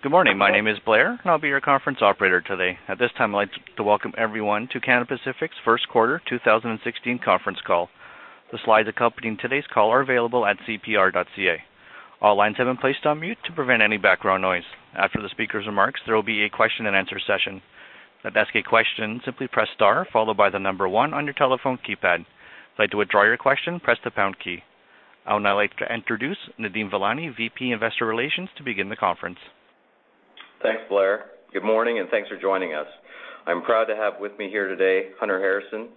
Good morning. My name is Blair, and I'll be your conference operator today. At this time, I'd like to welcome everyone to Canadian Pacific's first quarter 2016 conference call. The slides accompanying today's call are available at cpr.ca. All lines have been placed on mute to prevent any background noise. After the speaker's remarks, there will be a question-and-answer session. To ask a question, simply press star followed by the number one on your telephone keypad. If you'd like to withdraw your question, press the pound key. I would now like to introduce Nadeem Velani, VP Investor Relations, to begin the conference. Thanks, Blair. Good morning, and thanks for joining us. I'm proud to have with me here today Hunter Harrison,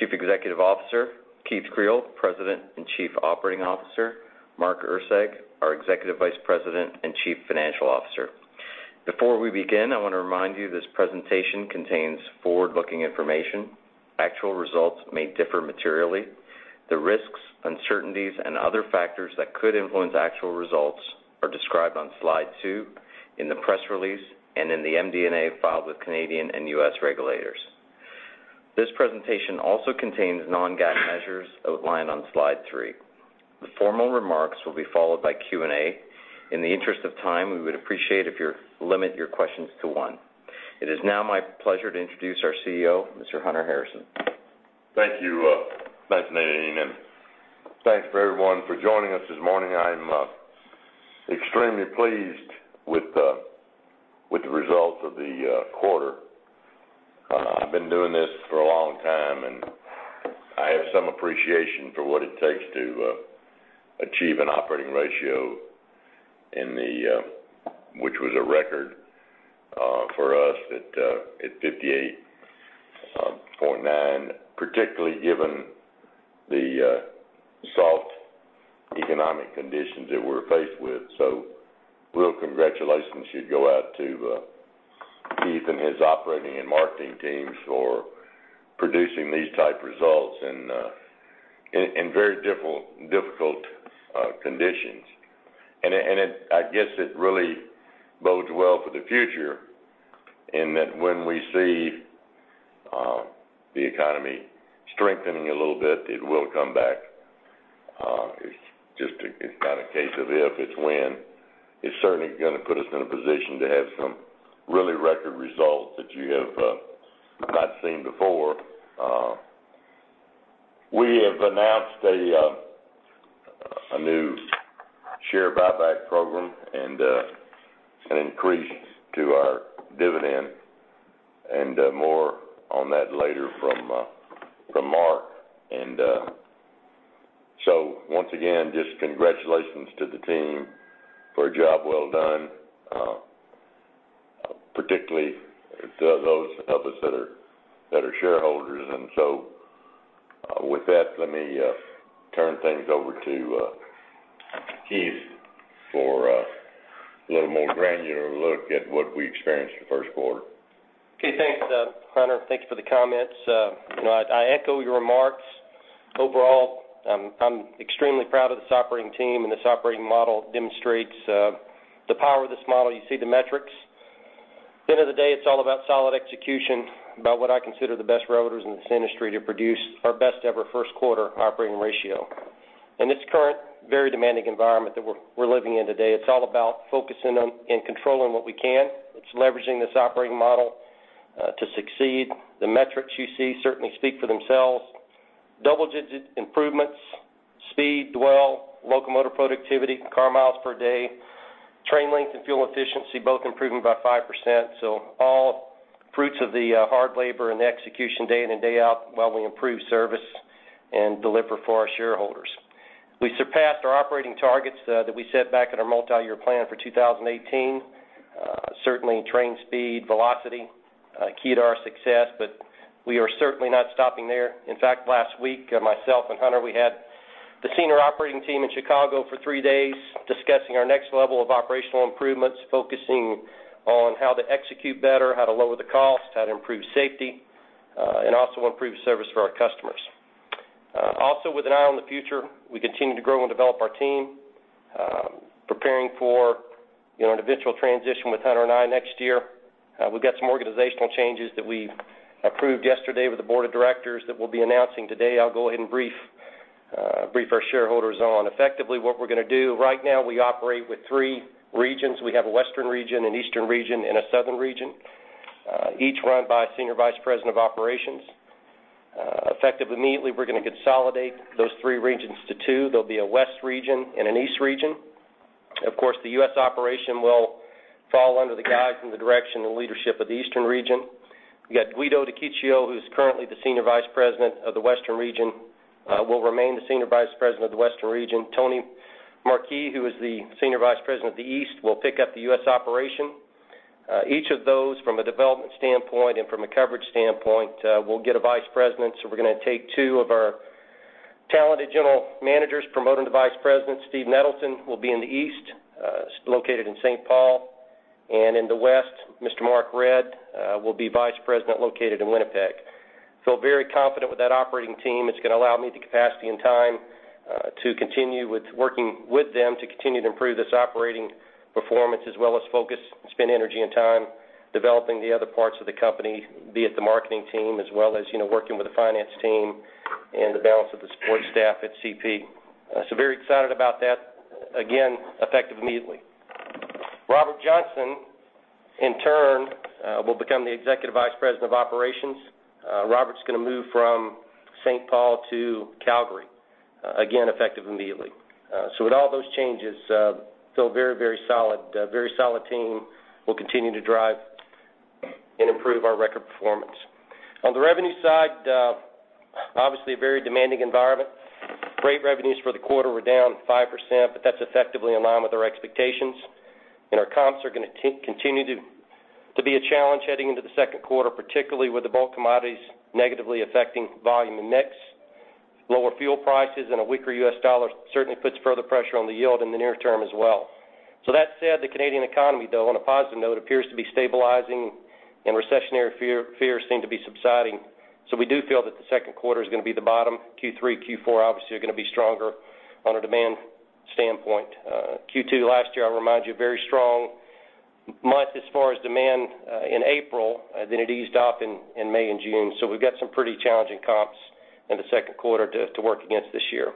Chief Executive Officer, Keith Creel, President and Chief Operating Officer, Mark Erceg, our Executive Vice President and Chief Financial Officer. Before we begin, I want to remind you this presentation contains forward-looking information. Actual results may differ materially. The risks, uncertainties, and other factors that could influence actual results are described on slide two in the press release and in the MD&A filed with Canadian and U.S. regulators. This presentation also contains non-GAAP measures outlined on slide three. The formal remarks will be followed by Q&A. In the interest of time, we would appreciate if you limit your questions to one. It is now my pleasure to introduce our CEO, Mr. Hunter Harrison. Thank you. Thanks, Nadeem and team. Thanks for everyone for joining us this morning. I'm extremely pleased with the results of the quarter. I've been doing this for a long time, and I have some appreciation for what it takes to achieve an operating ratio which was a record for us at 58.9%, particularly given the soft economic conditions that we're faced with. So real congratulations should go out to Keith and his operating and marketing teams for producing these type results in very difficult conditions. And I guess it really bodes well for the future in that when we see the economy strengthening a little bit, it will come back. It's not a case of if; it's when. It's certainly going to put us in a position to have some really record results that you have not seen before. We have announced a new share buyback program and an increase to our dividend, and more on that later from Mark. And so once again, just congratulations to the team for a job well done, particularly those of us that are shareholders. And so with that, let me turn things over to Keith for a little more granular look at what we experienced the first quarter. Okay. Thanks, Hunter. Thank you for the comments. I echo your remarks. Overall, I'm extremely proud of this operating team, and this operating model demonstrates the power of this model. You see the metrics. At the end of the day, it's all about solid execution, about what I consider the best rosters in this industry to produce our best-ever first quarter operating ratio. In this current, very demanding environment that we're living in today, it's all about focusing on and controlling what we can. It's leveraging this operating model to succeed. The metrics you see certainly speak for themselves. Double-digit improvements: speed, dwell, locomotive productivity, car miles per day, train length, and fuel efficiency both improving by 5%. So all fruits of the hard labor and the execution day in and day out while we improve service and deliver for our shareholders. We surpassed our operating targets that we set back in our multi-year plan for 2018. Certainly, train speed, velocity, key to our success, but we are certainly not stopping there. In fact, last week, myself and Hunter, we had the senior operating team in Chicago for three days discussing our next level of operational improvements, focusing on how to execute better, how to lower the cost, how to improve safety, and also improve service for our customers. Also, with an eye on the future, we continue to grow and develop our team, preparing for an eventual transition with Hunter and I next year. We've got some organizational changes that we approved yesterday with the board of directors that we'll be announcing today. I'll go ahead and brief our shareholders on. Effectively, what we're going to do right now, we operate with three regions. We have a western region, an eastern region, and a southern region, each run by a Senior Vice President of Operations. Effectively, immediately, we're going to consolidate those three regions to two. There'll be a west region and an east region. Of course, the U.S. operation will fall under the guidance and the direction and leadership of the eastern region. We've got Guido De Ciccio, who's currently the Senior Vice President of the Western Region, will remain the Senior Vice President of the Western Region. Tony Marquis, who is the Senior Vice President of the East, will pick up the U.S. operation. Each of those, from a development standpoint and from a coverage standpoint, will get a vice president. So we're going to take two of our talented general managers promoted to vice president. Steve Nettleton will be in the east, located in St. Paul. And in the west, Mr. Mark Redd will be Vice President located in Winnipeg. Feel very confident with that operating team. It's going to allow me the capacity and time to continue with working with them to continue to improve this operating performance as well as focus, spend energy and time developing the other parts of the company, be it the marketing team as well as working with the finance team and the balance of the support staff at CP. So very excited about that. Again, effective immediately. Robert Johnson, in turn, will become the Executive Vice President of Operations. Robert's going to move from St. Paul to Calgary, again, effective immediately. So with all those changes, feel very, very solid. Very solid team will continue to drive and improve our record performance. On the revenue side, obviously a very demanding environment. Freight revenues for the quarter. We're down 5%, but that's effectively in line with our expectations. Our comps are going to continue to be a challenge heading into the second quarter, particularly with the bulk commodities negatively affecting volume and mix. Lower fuel prices and a weaker U.S. dollar certainly puts further pressure on the yield in the near term as well. So that said, the Canadian economy, though, on a positive note, appears to be stabilizing, and recessionary fears seem to be subsiding. We do feel that the second quarter is going to be the bottom. Q3, Q4, obviously, are going to be stronger on a demand standpoint. Q2 last year, I'll remind you, a very strong month as far as demand in April than it eased off in May and June. We've got some pretty challenging comps in the second quarter to work against this year.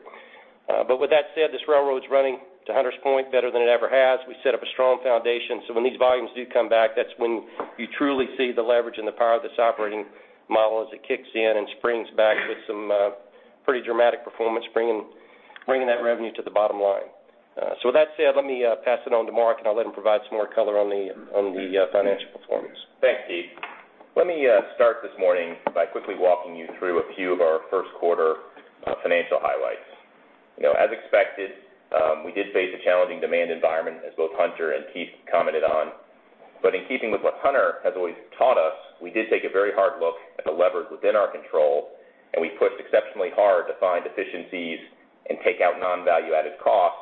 With that said, this railroad's running to Hunter's point better than it ever has. We set up a strong foundation. So when these volumes do come back, that's when you truly see the leverage and the power of this operating model as it kicks in and springs back with some pretty dramatic performance, bringing that revenue to the bottom line. So with that said, let me pass it on to Mark, and I'll let him provide some more color on the financial performance. Thanks, Steve. Let me start this morning by quickly walking you through a few of our first quarter financial highlights. As expected, we did face a challenging demand environment, as both Hunter and Keith commented on. But in keeping with what Hunter has always taught us, we did take a very hard look at the levers within our control, and we pushed exceptionally hard to find deficiencies and take out non-value-added costs,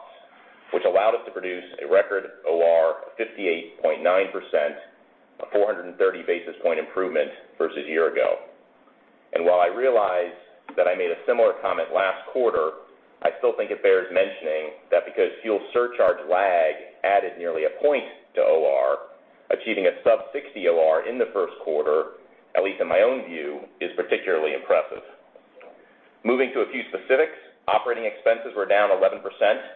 which allowed us to produce a record OR of 58.9%, a 430 basis point improvement versus a year ago. And while I realize that I made a similar comment last quarter, I still think it bears mentioning that because fuel surcharge lag added nearly a point to OR, achieving a sub-60 OR in the first quarter, at least in my own view, is particularly impressive. Moving to a few specifics, operating expenses were down 11%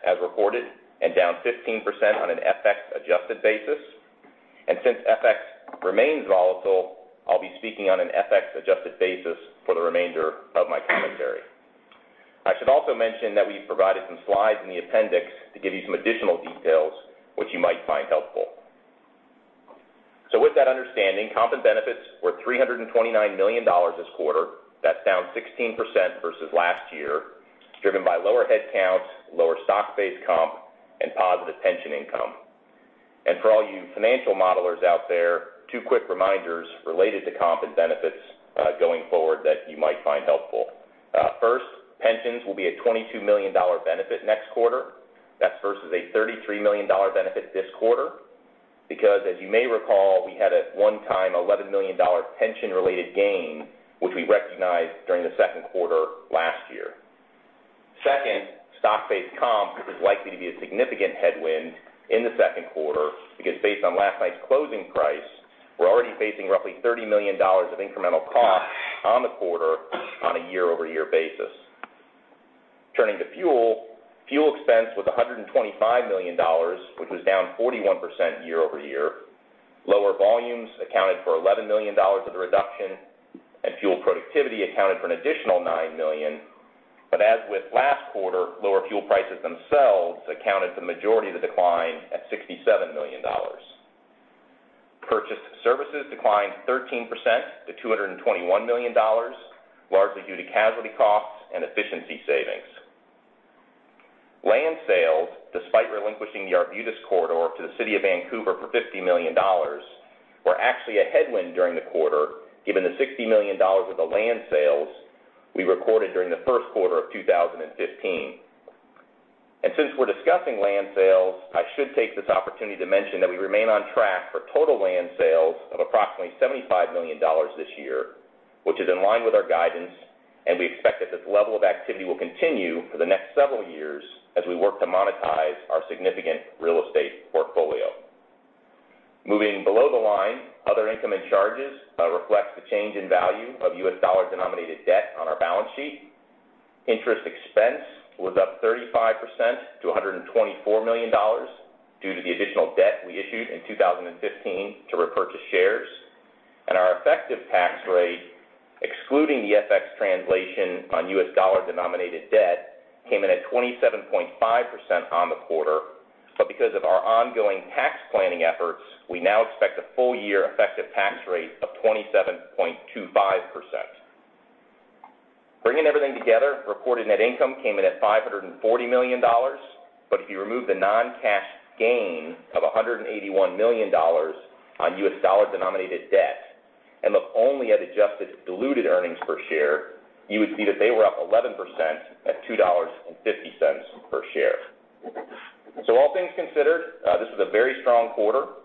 as reported and down 15% on an FX-adjusted basis. And since FX remains volatile, I'll be speaking on an FX-adjusted basis for the remainder of my commentary. I should also mention that we've provided some slides in the appendix to give you some additional details, which you might find helpful. So with that understanding, comp and benefits were $329 million this quarter. That's down 16% versus last year, driven by lower headcounts, lower stock-based comp, and positive pension income. And for all you financial modelers out there, two quick reminders related to comp and benefits going forward that you might find helpful. First, pensions will be a $22 million benefit next quarter. That's versus a $33 million benefit this quarter because, as you may recall, we had at one time a $11 million pension-related gain, which we recognized during the second quarter last year. Second, stock-based comp is likely to be a significant headwind in the second quarter because, based on last night's closing price, we're already facing roughly $30 million of incremental costs on the quarter on a year-over-year basis. Turning to fuel, fuel expense was $125 million, which was down 41% year-over-year. Lower volumes accounted for $11 million of the reduction, and fuel productivity accounted for an additional $9 million. But as with last quarter, lower fuel prices themselves accounted for the majority of the decline at $67 million. Purchased services declined 13% to $221 million, largely due to casualty costs and efficiency savings. Land sales, despite relinquishing the Arbutus Corridor to the City of Vancouver for $50 million, were actually a headwind during the quarter given the $60 million of the land sales we recorded during the first quarter of 2015. Since we're discussing land sales, I should take this opportunity to mention that we remain on track for total land sales of approximately $75 million this year, which is in line with our guidance. We expect that this level of activity will continue for the next several years as we work to monetize our significant real estate portfolio. Moving below the line, other income and charges reflect the change in value of U.S. dollar denominated debt on our balance sheet. Interest expense was up 35% to $124 million due to the additional debt we issued in 2015 to repurchase shares. Our effective tax rate, excluding the FX translation on U.S. dollar denominated debt, came in at 27.5% on the quarter. Because of our ongoing tax planning efforts, we now expect a full-year effective tax rate of 27.25%. Bringing everything together, reported net income came in at $540 million. If you remove the non-cash gain of $181 million on U.S. dollar denominated debt and look only at adjusted diluted earnings per share, you would see that they were up 11% at $2.50 per share. All things considered, this was a very strong quarter.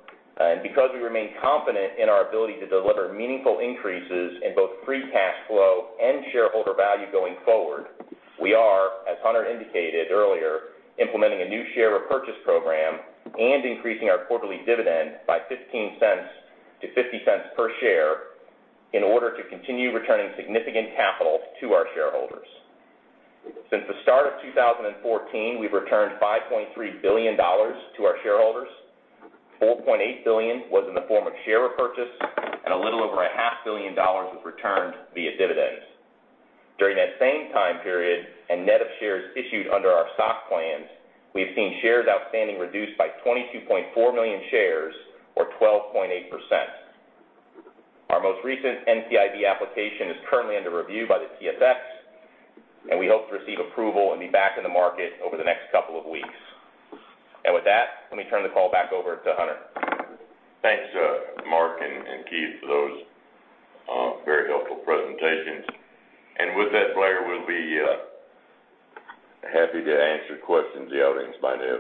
Because we remain confident in our ability to deliver meaningful increases in both free cash flow and shareholder value going forward, we are, as Hunter indicated earlier, implementing a new share repurchase program and increasing our quarterly dividend by $0.15 to $0.50 per share in order to continue returning significant capital to our shareholders. Since the start of 2014, we've returned $5.3 billion to our shareholders. $4.8 billion was in the form of share repurchase, and a little over $500 million was returned via dividends. During that same time period and net of shares issued under our stock plans, we have seen shares outstanding reduced by 22.4 million shares, or 12.8%. Our most recent NCIB application is currently under review by the TSX, and we hope to receive approval and be back in the market over the next couple of weeks. With that, let me turn the call back over to Hunter. Thanks, Mark and Keith, for those very helpful presentations. And with that, Blair, we'll be happy to answer questions in the audience by noon.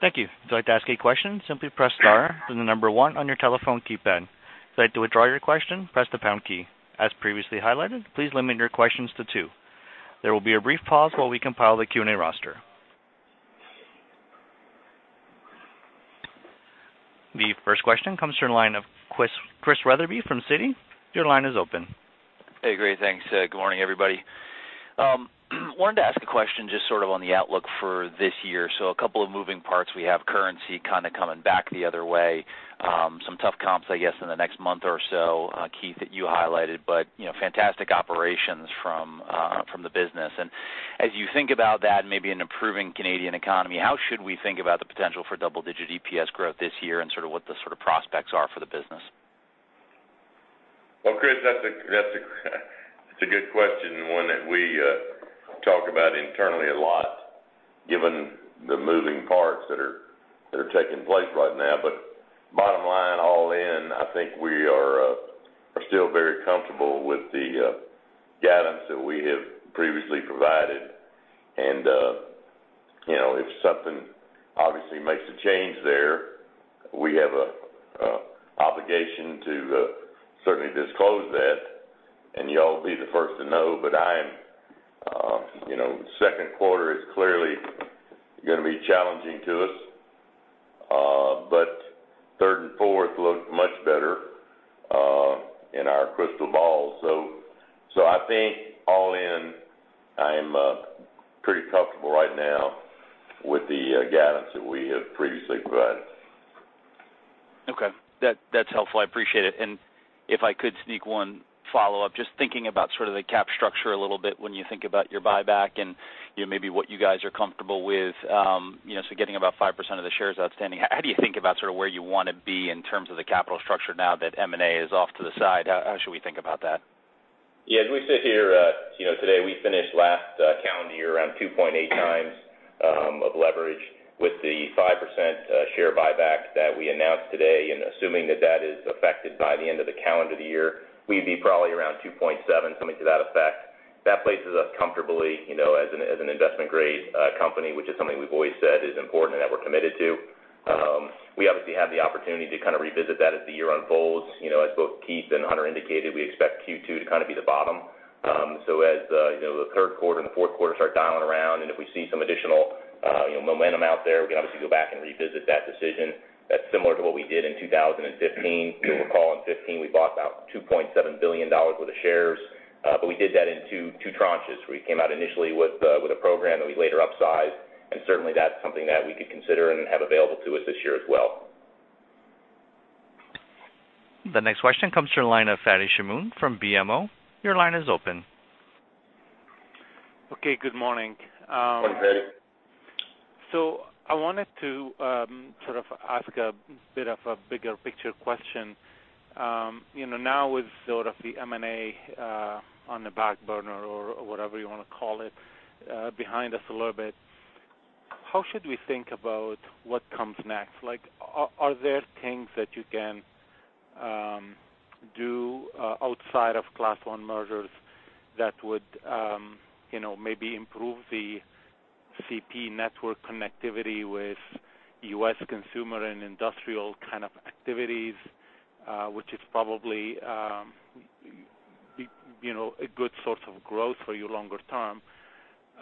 Thank you. If you'd like to ask a question, simply press star and the number one on your telephone keypad. If you'd like to withdraw your question, press the pound key. As previously highlighted, please limit your questions to two. There will be a brief pause while we compile the Q&A roster. The first question comes from the line of Chris Wetherbee from Citi. Your line is open. Hey, great. Thanks. Good morning, everybody. Wanted to ask a question just sort of on the outlook for this year. So a couple of moving parts. We have currency kind of coming back the other way, some tough comps, I guess, in the next month or so, Keith, that you highlighted, but fantastic operations from the business. And as you think about that and maybe an improving Canadian economy, how should we think about the potential for double-digit EPS growth this year and sort of what the sort of prospects are for the business? Well, Chris, that's a good question, one that we talk about internally a lot given the moving parts that are taking place right now. But bottom line, all in, I think we are still very comfortable with the guidance that we have previously provided. And if something obviously makes a change there, we have an obligation to certainly disclose that, and y'all will be the first to know. But second quarter is clearly going to be challenging to us. But third and fourth look much better in our crystal ball. So I think, all in, I am pretty comfortable right now with the guidance that we have previously provided. Okay. That's helpful. I appreciate it. And if I could sneak one follow-up, just thinking about sort of the capital structure a little bit when you think about your buyback and maybe what you guys are comfortable with. So getting about 5% of the shares outstanding, how do you think about sort of where you want to be in terms of the capital structure now that M&A is off to the side? How should we think about that? Yeah. As we sit here today, we finished last calendar year around 2.8 times of leverage. With the 5% share buyback that we announced today, and assuming that that is affected by the end of the calendar year, we'd be probably around 2.7, something to that effect. That places us comfortably as an investment-grade company, which is something we've always said is important and that we're committed to. We obviously have the opportunity to kind of revisit that as the year unfolds. As both Keith and Hunter indicated, we expect Q2 to kind of be the bottom. So as the third quarter and the fourth quarter start dialing around, and if we see some additional momentum out there, we can obviously go back and revisit that decision. That's similar to what we did in 2015. You'll recall, in 2015, we bought about $2.7 billion worth of shares. We did that in two tranches. We came out initially with a program that we later upsized. Certainly, that's something that we could consider and have available to us this year as well. The next question comes from the line of Fadi Chamoun from BMO. Your line is open. Okay. Good morning. Morning, Fadi. So I wanted to sort of ask a bit of a bigger picture question. Now with sort of the M&A on the back burner or whatever you want to call it behind us a little bit, how should we think about what comes next? Are there things that you can do outside of Class 1 mergers that would maybe improve the CP network connectivity with U.S. consumer and industrial kind of activities, which is probably a good source of growth for you longer term?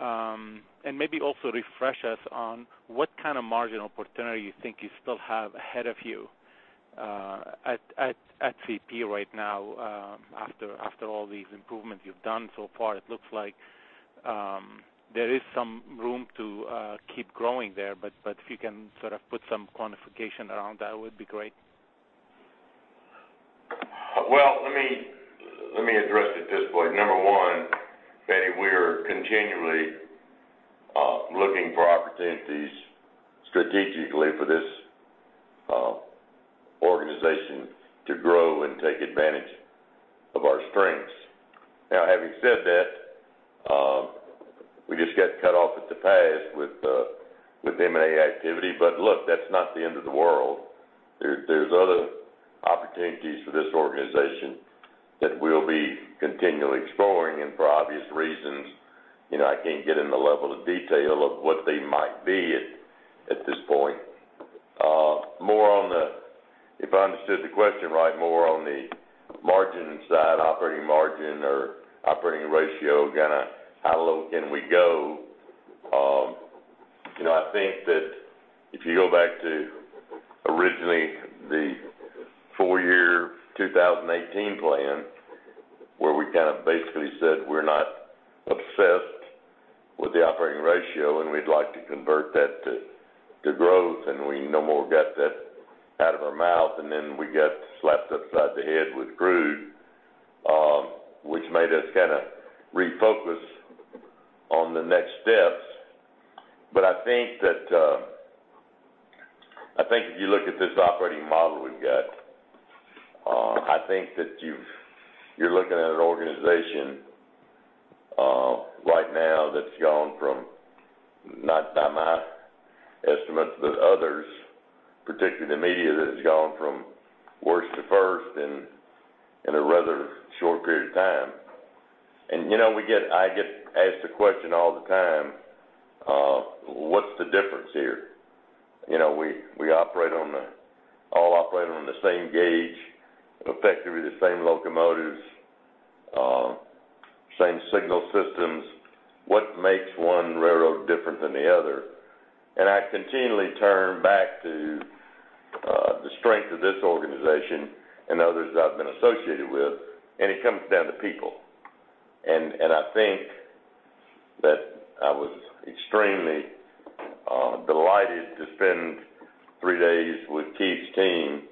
And maybe also refresh us on what kind of margin opportunity you think you still have ahead of you at CP right now after all these improvements you've done so far. It looks like there is some room to keep growing there. But if you can sort of put some quantification around that, it would be great. Well, let me address it this way. Number one, Fadi, we are continually looking for opportunities strategically for this organization to grow and take advantage of our strengths. Now, having said that, we just got cut off in the past with M&A activity. But look, that's not the end of the world. There's other opportunities for this organization that we'll be continually exploring and for obvious reasons. I can't get in the level of detail of what they might be at this point. If I understood the question right, more on the margin side, operating margin or operating ratio, kind of how low can we go, I think that if you go back to originally the four-year 2018 plan where we kind of basically said we're not obsessed with the operating ratio and we'd like to convert that to growth and we no more got that out of our mouth, and then we got slapped upside the head with crude, which made us kind of refocus on the next steps. But I think that if you look at this operating model we've got, I think that you're looking at an organization right now that's gone from, not by my estimate, but others, particularly the media, that has gone from worst to first in a rather short period of time. I get asked the question all the time, "What's the difference here?" We all operate on the same gauge, effectively the same locomotives, same signal systems. What makes one railroad different than the other? I continually turn back to the strength of this organization and others that I've been associated with, and it comes down to people. I think that I was extremely delighted to spend three days with Keith's team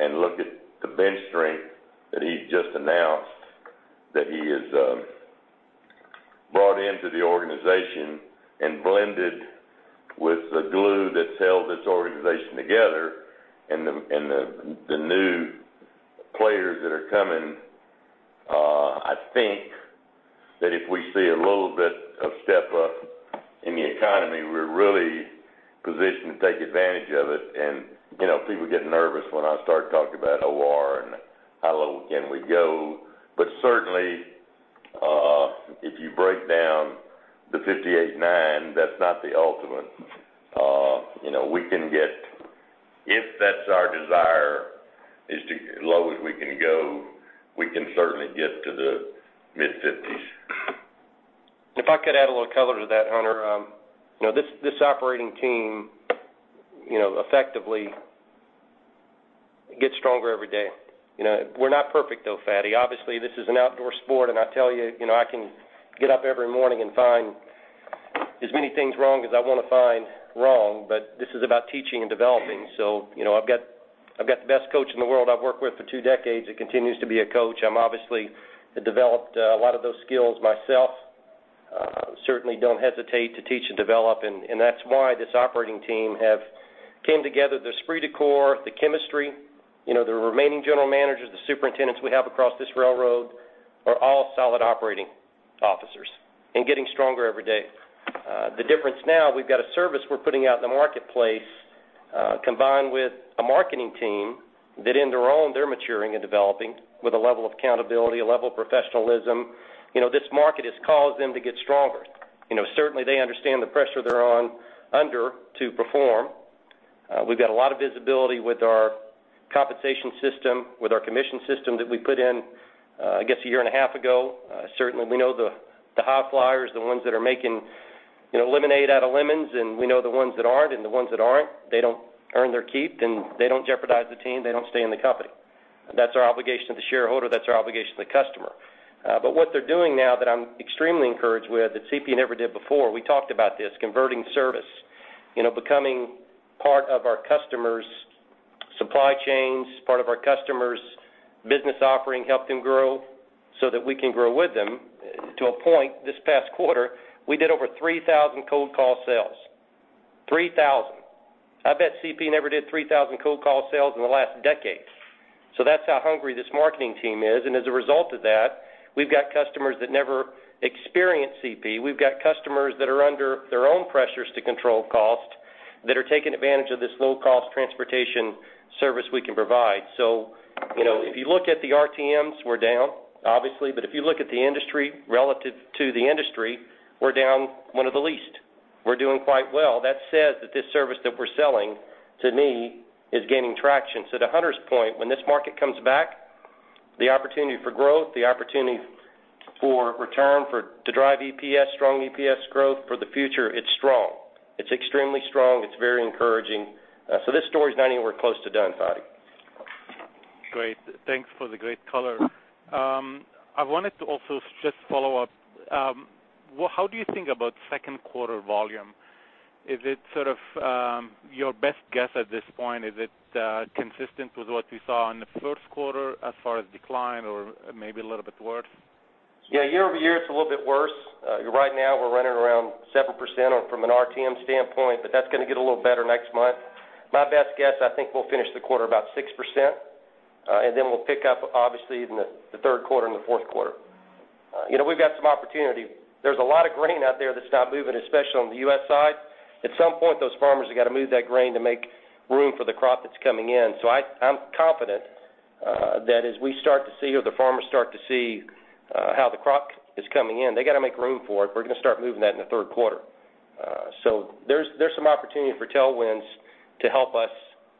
and look at the bench strength that he just announced that he has brought into the organization and blended with the glue that's held this organization together. The new players that are coming, I think that if we see a little bit of step up in the economy, we're really positioned to take advantage of it. People get nervous when I start talking about OR and how low can we go? But certainly, if you break down the 58.9, that's not the ultimate. We can get, if that's our desire, as low as we can go, we can certainly get to the mid-50s. If I could add a little color to that, Hunter, this operating team effectively gets stronger every day. We're not perfect, though, Keith. Obviously, this is an outdoor sport, and I tell you, I can get up every morning and find as many things wrong as I want to find wrong. But this is about teaching and developing. So I've got the best coach in the world I've worked with for two decades. It continues to be a coach. I've obviously developed a lot of those skills myself, certainly don't hesitate to teach and develop. And that's why this operating team came together. The esprit de corps, the chemistry, the remaining general managers, the superintendents we have across this railroad are all solid operating officers and getting stronger every day. The difference now, we've got a service we're putting out in the marketplace combined with a marketing team that, in their own, they're maturing and developing with a level of accountability, a level of professionalism. This market has caused them to get stronger. Certainly, they understand the pressure they're under to perform. We've got a lot of visibility with our compensation system, with our commission system that we put in, I guess, a year and a half ago. Certainly, we know the high-flyers, the ones that are making lemonade out of lemons, and we know the ones that aren't. And the ones that aren't, they don't earn their keep, and they don't jeopardize the team. They don't stay in the company. That's our obligation to the shareholder. That's our obligation to the customer. But what they're doing now that I'm extremely encouraged with, that CP never did before, we talked about this, converting service, becoming part of our customers' supply chains, part of our customers' business offering, help them grow so that we can grow with them. To a point, this past quarter, we did over 3,000 cold call sales, 3,000. I bet CP never did 3,000 cold call sales in the last decade. So that's how hungry this marketing team is. And as a result of that, we've got customers that never experience CP. We've got customers that are under their own pressures to control cost that are taking advantage of this low-cost transportation service we can provide. So if you look at the RTMs, we're down, obviously. But if you look at the industry relative to the industry, we're down one of the least. We're doing quite well. That says that this service that we're selling, to me, is gaining traction. So to Hunter's point, when this market comes back, the opportunity for growth, the opportunity for return to drive EPS, strong EPS growth for the future, it's strong. It's extremely strong. It's very encouraging. So this story's not anywhere close to done, Fadi. Great. Thanks for the great color. I wanted to also just follow up. How do you think about second quarter volume? Is it sort of your best guess at this point? Is it consistent with what we saw in the first quarter as far as decline or maybe a little bit worse? Yeah. Year-over-year, it's a little bit worse. Right now, we're running around 7% from an RTM standpoint, but that's going to get a little better next month. My best guess, I think we'll finish the quarter about 6%, and then we'll pick up, obviously, in the third quarter and the fourth quarter. We've got some opportunity. There's a lot of grain out there that's not moving, especially on the U.S. side. At some point, those farmers have got to move that grain to make room for the crop that's coming in. So I'm confident that as we start to see or the farmers start to see how the crop is coming in, they got to make room for it. We're going to start moving that in the third quarter. So there's some opportunity for tailwinds to help us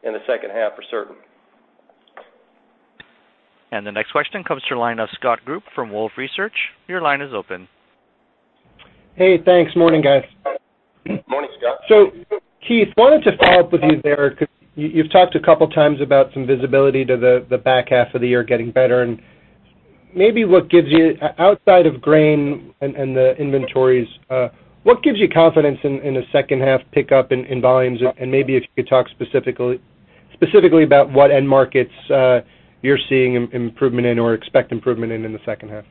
in the second half, for certain. The next question comes from the line of Scott Group from Wolfe Research. Your line is open. Hey. Thanks. Morning, guys. Morning, Scott. So Keith, wanted to follow up with you there because you've talked a couple of times about some visibility to the back half of the year getting better. And maybe what gives you, outside of grain and the inventories, what gives you confidence in a second-half pickup in volumes? And maybe if you could talk specifically about what end markets you're seeing improvement in or expect improvement in in the second half.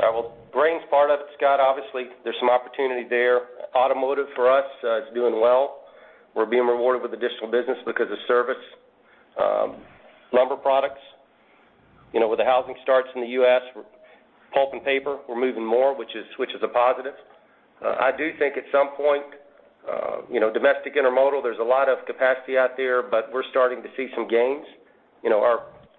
Well, grain's part of it, Scott. Obviously, there's some opportunity there. Automotive for us is doing well. We're being rewarded with additional business because of service, lumber products where the housing starts in the US, pulp and paper, we're moving more, which is a positive. I do think at some point, domestic intermodal, there's a lot of capacity out there, but we're starting to see some gains.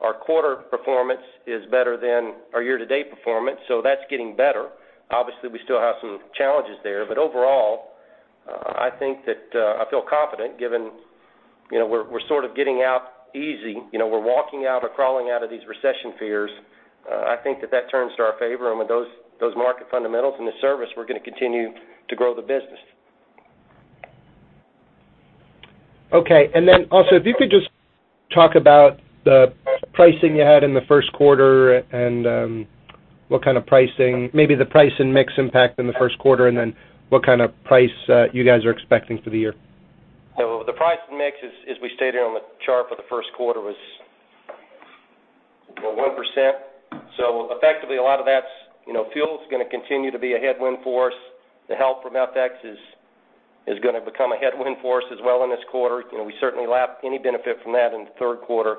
Our quarter performance is better than our year-to-date performance, so that's getting better. Obviously, we still have some challenges there. But overall, I feel confident given we're sort of getting out easy. We're walking out or crawling out of these recession fears. I think that that turns to our favor. And with those market fundamentals and the service, we're going to continue to grow the business. Okay. And then also, if you could just talk about the pricing you had in the first quarter and what kind of pricing, maybe the price and mix impact in the first quarter, and then what kind of price you guys are expecting for the year? So the price and mix, as we stated on the chart for the first quarter, was 1%. So effectively, a lot of that's fuel's going to continue to be a headwind force. The help from FX is going to become a headwind force as well in this quarter. We certainly lapped any benefit from that in the third quarter.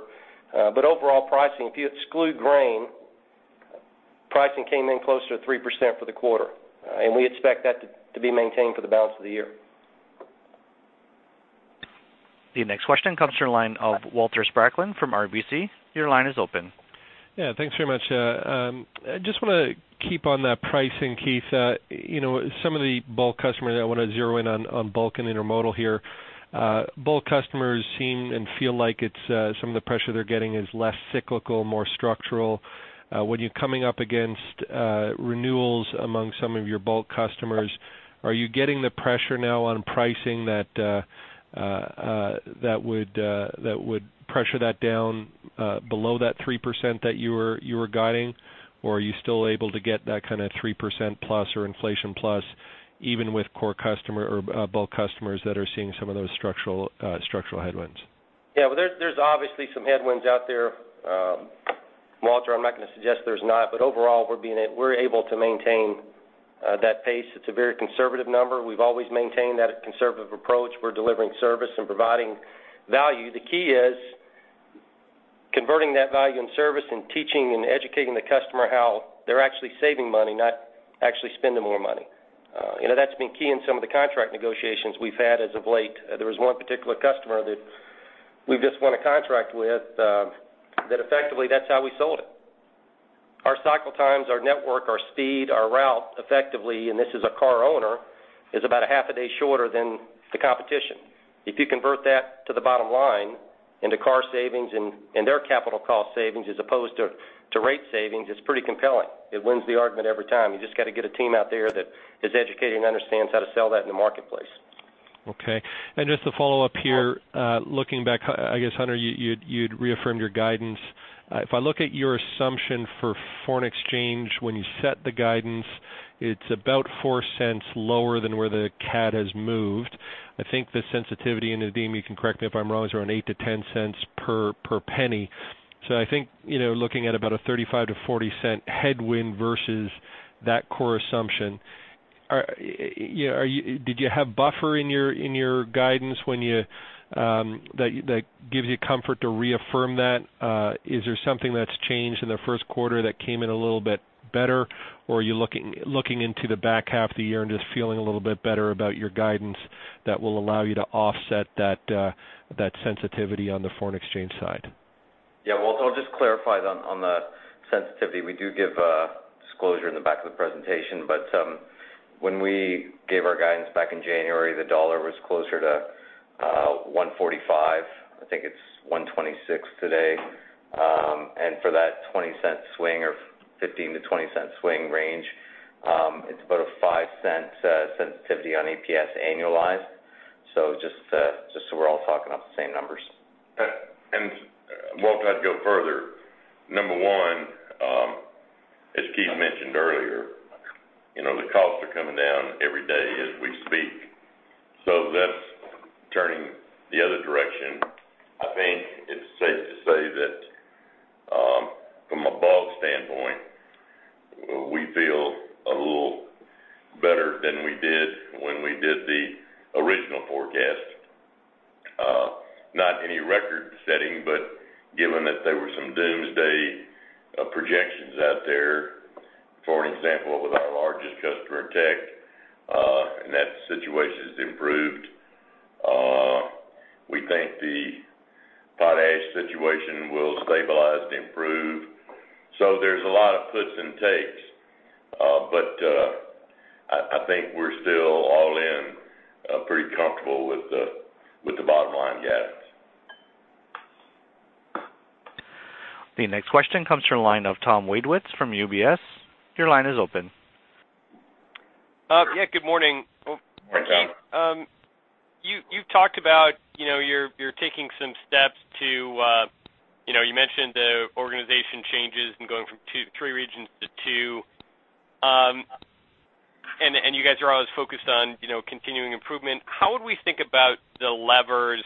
But overall pricing, if you exclude grain, pricing came in closer to 3% for the quarter. And we expect that to be maintained for the balance of the year. The next question comes from the line of Walter Spracklin from RBC. Your line is open. Yeah. Thanks very much. I just want to keep on that pricing, Keith. Some of the bulk customers that I want to zero in on bulk and intermodal here, bulk customers seem and feel like some of the pressure they're getting is less cyclical, more structural. When you're coming up against renewals among some of your bulk customers, are you getting the pressure now on pricing that would pressure that down below that 3% that you were guiding? Or are you still able to get that kind of 3% plus or inflation plus even with core customer or bulk customers that are seeing some of those structural headwinds? Yeah. Well, there's obviously some headwinds out there. Walter, I'm not going to suggest there's not. But overall, we're able to maintain that pace. It's a very conservative number. We've always maintained that conservative approach. We're delivering service and providing value. The key is converting that value in service and teaching and educating the customer how they're actually saving money, not actually spending more money. That's been key in some of the contract negotiations we've had as of late. There was one particular customer that we just won a contract with that effectively, that's how we sold it. Our cycle times, our network, our speed, our route effectively, and this is a car owner, is about a half a day shorter than the competition. If you convert that to the bottom line into car savings and their capital cost savings as opposed to rate savings, it's pretty compelling. It wins the argument every time. You just got to get a team out there that is educated and understands how to sell that in the marketplace. Okay. And just to follow up here, looking back, I guess, Hunter, you'd reaffirmed your guidance. If I look at your assumption for foreign exchange when you set the guidance, it's about $0.04 lower than where the CAD has moved. I think the sensitivity and the Nadeem, you can correct me if I'm wrong, is around $0.08-$0.10 per penny. So I think looking at about a $0.35-$0.40 headwind versus that core assumption, did you have buffer in your guidance that gives you comfort to reaffirm that? Is there something that's changed in the first quarter that came in a little bit better? Or are you looking into the back half of the year and just feeling a little bit better about your guidance that will allow you to offset that sensitivity on the foreign exchange side? Yeah. Walter, I'll just clarify on the sensitivity. We do give disclosure in the back of the presentation. But when we gave our guidance back in January, the dollar was closer to 145. I think it's 126 today. And for that $0.20 swing or $0.15-$0.20 swing range, it's about a $0.05 sensitivity on EPS annualized. So just so we're all talking about the same numbers. Walter, I'd go further. Number one, as Keith mentioned earlier, the costs are coming down every day as we speak. So that's turning the other direction. I think it's safe to say that from a bulk standpoint, we feel a little better than we did when we did the original forecast. Not any record-setting, but given that there were some doomsday projections out there, for example, with our largest customer, Teck, and that situation's improved, we think the potash situation will stabilize to improve. So there's a lot of puts and takes. But I think we're still all in, pretty comfortable with the bottom-line guidance. The next question comes from the line of Thomas Wadewitz from UBS. Your line is open. Yeah. Good morning. Morning, Tom. Keith, you've talked about you're taking some steps to you mentioned the organization changes and going from 3 regions to 2. And you guys are always focused on continuing improvement. How would we think about the levers?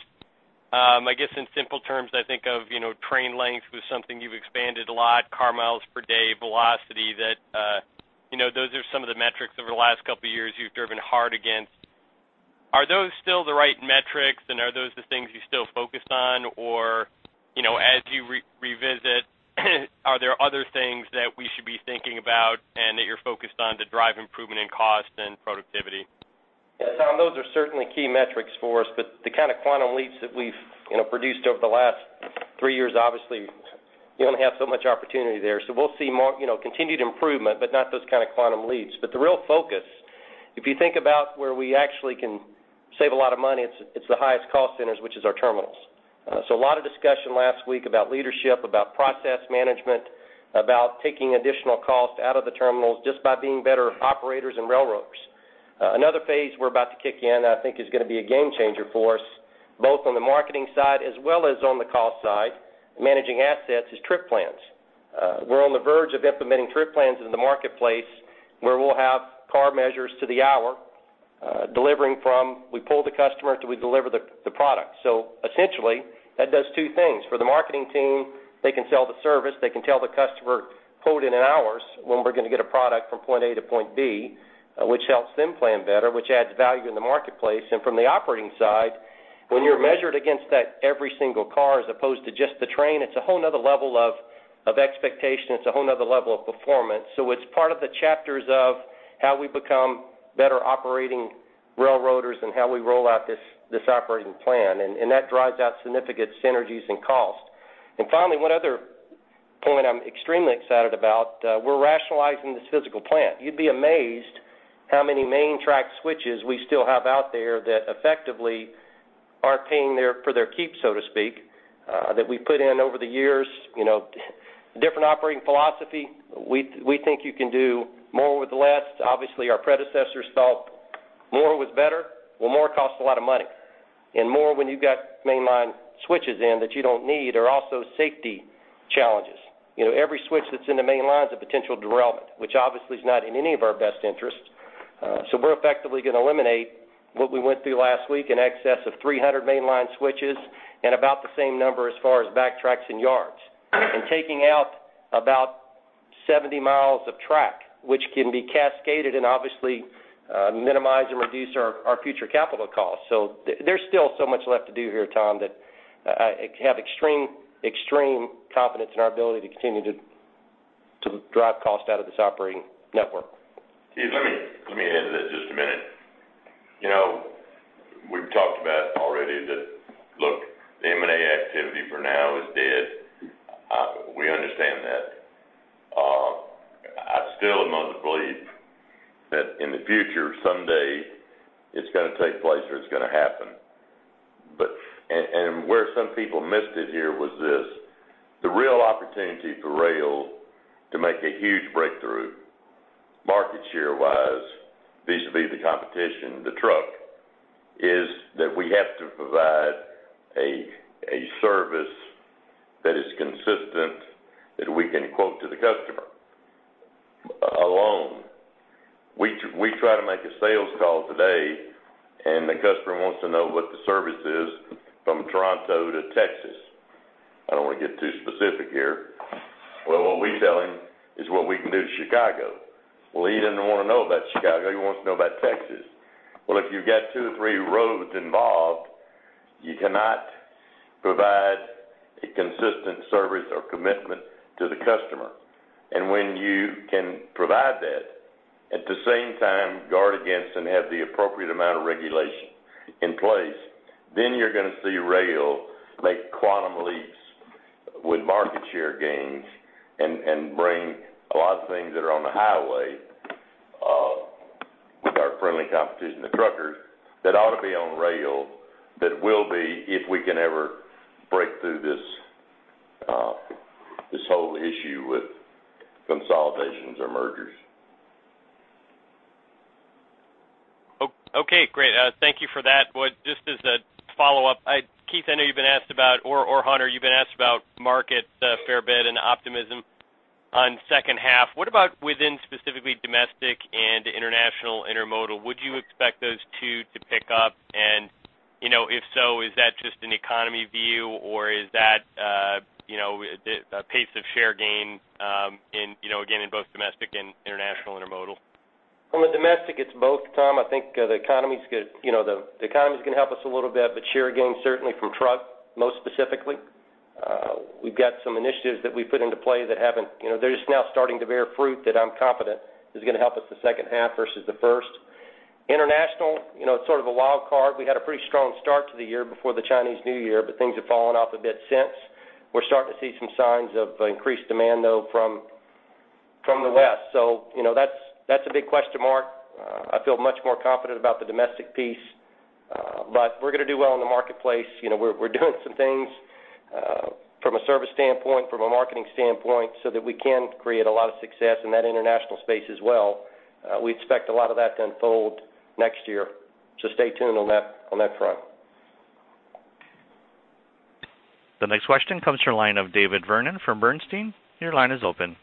I guess in simple terms, I think of train length was something you've expanded a lot, car miles per day, velocity. Those are some of the metrics over the last couple of years you've driven hard against. Are those still the right metrics? And are those the things you still focus on? Or as you revisit, are there other things that we should be thinking about and that you're focused on to drive improvement in cost and productivity? Yeah. Tom, those are certainly key metrics for us. But the kind of quantum leaps that we've produced over the last three years, obviously, you only have so much opportunity there. So we'll see continued improvement, but not those kind of quantum leaps. But the real focus, if you think about where we actually can save a lot of money, it's the highest cost centers, which is our terminals. So a lot of discussion last week about leadership, about process management, about taking additional cost out of the terminals just by being better operators and railroaders. Another phase we're about to kick in, I think, is going to be a game-changer for us, both on the marketing side as well as on the cost side. Managing assets is trip plans. We're on the verge of implementing trip plans into the marketplace where we'll have car measures to the hour, delivering from we pull the customer until we deliver the product. So essentially, that does two things. For the marketing team, they can sell the service. They can tell the customer, "Pull it in in hours when we're going to get a product from point A to point B," which helps them plan better, which adds value in the marketplace. And from the operating side, when you're measured against that every single car as opposed to just the train, it's a whole nother level of expectation. It's a whole nother level of performance. So it's part of the chapters of how we become better operating railroaders and how we roll out this operating plan. And that drives out significant synergies and cost. And finally, one other point I'm extremely excited about, we're rationalizing this physical plant. You'd be amazed how many main track switches we still have out there that effectively aren't paying for their keep, so to speak, that we put in over the years. Different operating philosophy. We think you can do more with less. Obviously, our predecessors thought more was better. Well, more costs a lot of money. And more when you've got mainline switches in that you don't need are also safety challenges. Every switch that's in the mainline's a potential derailment, which obviously's not in any of our best interests. So we're effectively going to eliminate what we went through last week, an excess of 300 mainline switches and about the same number as far as back tracks and yards, and taking out about 70 miles of track, which can be cascaded and obviously minimize and reduce our future capital costs. So there's still so much left to do here, Tom, that I have extreme, extreme confidence in our ability to continue to drive cost out of this operating network. Keith, let me add to that just a minute. We've talked about already that, look, the M&A activity for now is dead. We understand that. I still am unable to believe that in the future, someday, it's going to take place or it's going to happen. And, where some people missed it here, was this. The real opportunity for rail to make a huge breakthrough market share-wise, vis-à-vis the competition, the truck, is that we have to provide a service that is consistent, that we can quote to the customer alone. We try to make a sales call today, and the customer wants to know what the service is from Toronto to Texas. I don't want to get too specific here. Well, what we tell him is what we can do to Chicago. Well, he doesn't want to know about Chicago. He wants to know about Texas. Well, if you've got two or three roads involved, you cannot provide a consistent service or commitment to the customer. And when you can provide that at the same time, guard against and have the appropriate amount of regulation in place, then you're going to see rail make quantum leaps with market share gains and bring a lot of things that are on the highway with our friendly competition, the truckers, that ought to be on rail that will be if we can ever break through this whole issue with consolidations or mergers. Okay. Great. Thank you for that. Just as a follow-up, Keith, I know you've been asked about or Hunter, you've been asked about market share bid and optimism on second half. What about within specifically domestic and international intermodal? Would you expect those two to pick up? And if so, is that just an economy view, or is that a pace of share gain, again, in both domestic and international intermodal? From a domestic, it's both, Tom. I think the economy's going to help us a little bit, but share gain certainly from truck, most specifically. We've got some initiatives that we put into play that haven't. They're just now starting to bear fruit that I'm confident is going to help us the second half versus the first. International, it's sort of a wild card. We had a pretty strong start to the year before the Chinese New Year, but things have fallen off a bit since. We're starting to see some signs of increased demand, though, from the West. So that's a big question mark. I feel much more confident about the domestic piece. But we're going to do well in the marketplace. We're doing some things from a service standpoint, from a marketing standpoint, so that we can create a lot of success in that international space as well. We expect a lot of that to unfold next year. So stay tuned on that front. The next question comes from the line of David Vernon from Bernstein. Your line is open.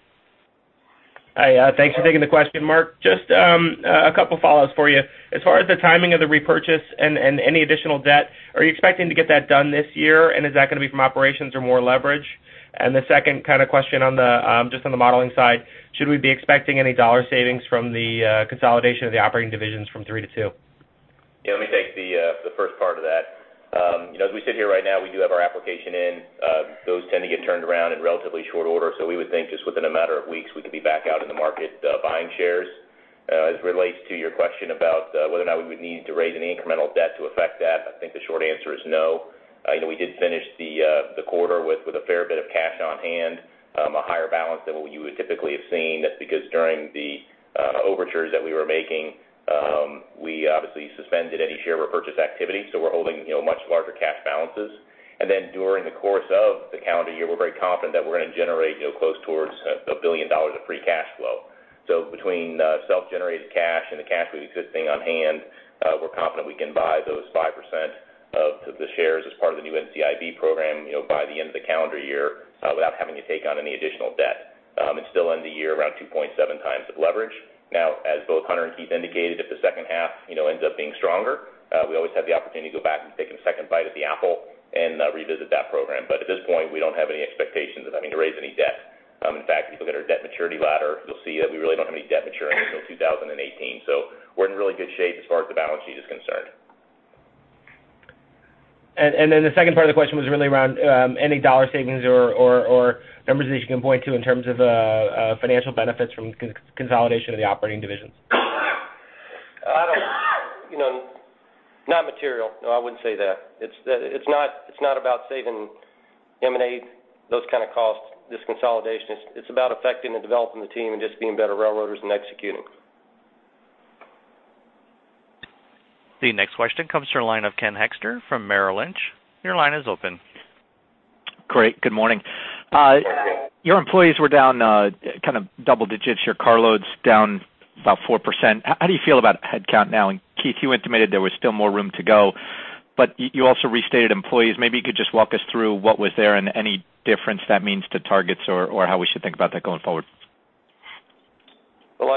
Hi. Thanks for taking the question, Mark. Just a couple of follow-ups for you. As far as the timing of the repurchase and any additional debt, are you expecting to get that done this year? And is that going to be from operations or more leverage? And the second kind of question just on the modeling side, should we be expecting any dollar savings from the consolidation of the operating divisions from three to two? Yeah. Let me take the first part of that. As we sit here right now, we do have our application in. Those tend to get turned around in relatively short order. So we would think just within a matter of weeks, we could be back out in the market buying shares. As it relates to your question about whether or not we would need to raise any incremental debt to affect that, I think the short answer is no. We did finish the quarter with a fair bit of cash on hand, a higher balance than what you would typically have seen. That's because during the overtures that we were making, we obviously suspended any share repurchase activity. So we're holding much larger cash balances. Then during the course of the calendar year, we're very confident that we're going to generate close to $1 billion of free cash flow. So between self-generated cash and the cash we have existing on hand, we're confident we can buy those 5% of the shares as part of the new NCIB program by the end of the calendar year without having to take on any additional debt and still end the year around 2.7 times of leverage. Now, as both Hunter and Keith indicated, if the second half ends up being stronger, we always have the opportunity to go back and take a second bite at the apple and revisit that program. But at this point, we don't have any expectations of having to raise any debt. In fact, if you look at our debt maturity ladder, you'll see that we really don't have any debt maturing until 2018. So we're in really good shape as far as the balance sheet is concerned. Then the second part of the question was really around any dollar savings or numbers that you can point to in terms of financial benefits from consolidation of the operating divisions. I don't think it's material. No, I wouldn't say that. It's not about saving M&A, those kind of costs, this consolidation. It's about affecting and developing the team and just being better railroaders and executing. The next question comes from the line of Ken Hoexter from Merrill Lynch. Your line is open. Great. Good morning. Your employees were down kind of double digits here. Carload's down about 4%. How do you feel about headcount now? And Keith, you intimated there was still more room to go. But you also restated employees. Maybe you could just walk us through what was there and any difference that means to targets or how we should think about that going forward. Well,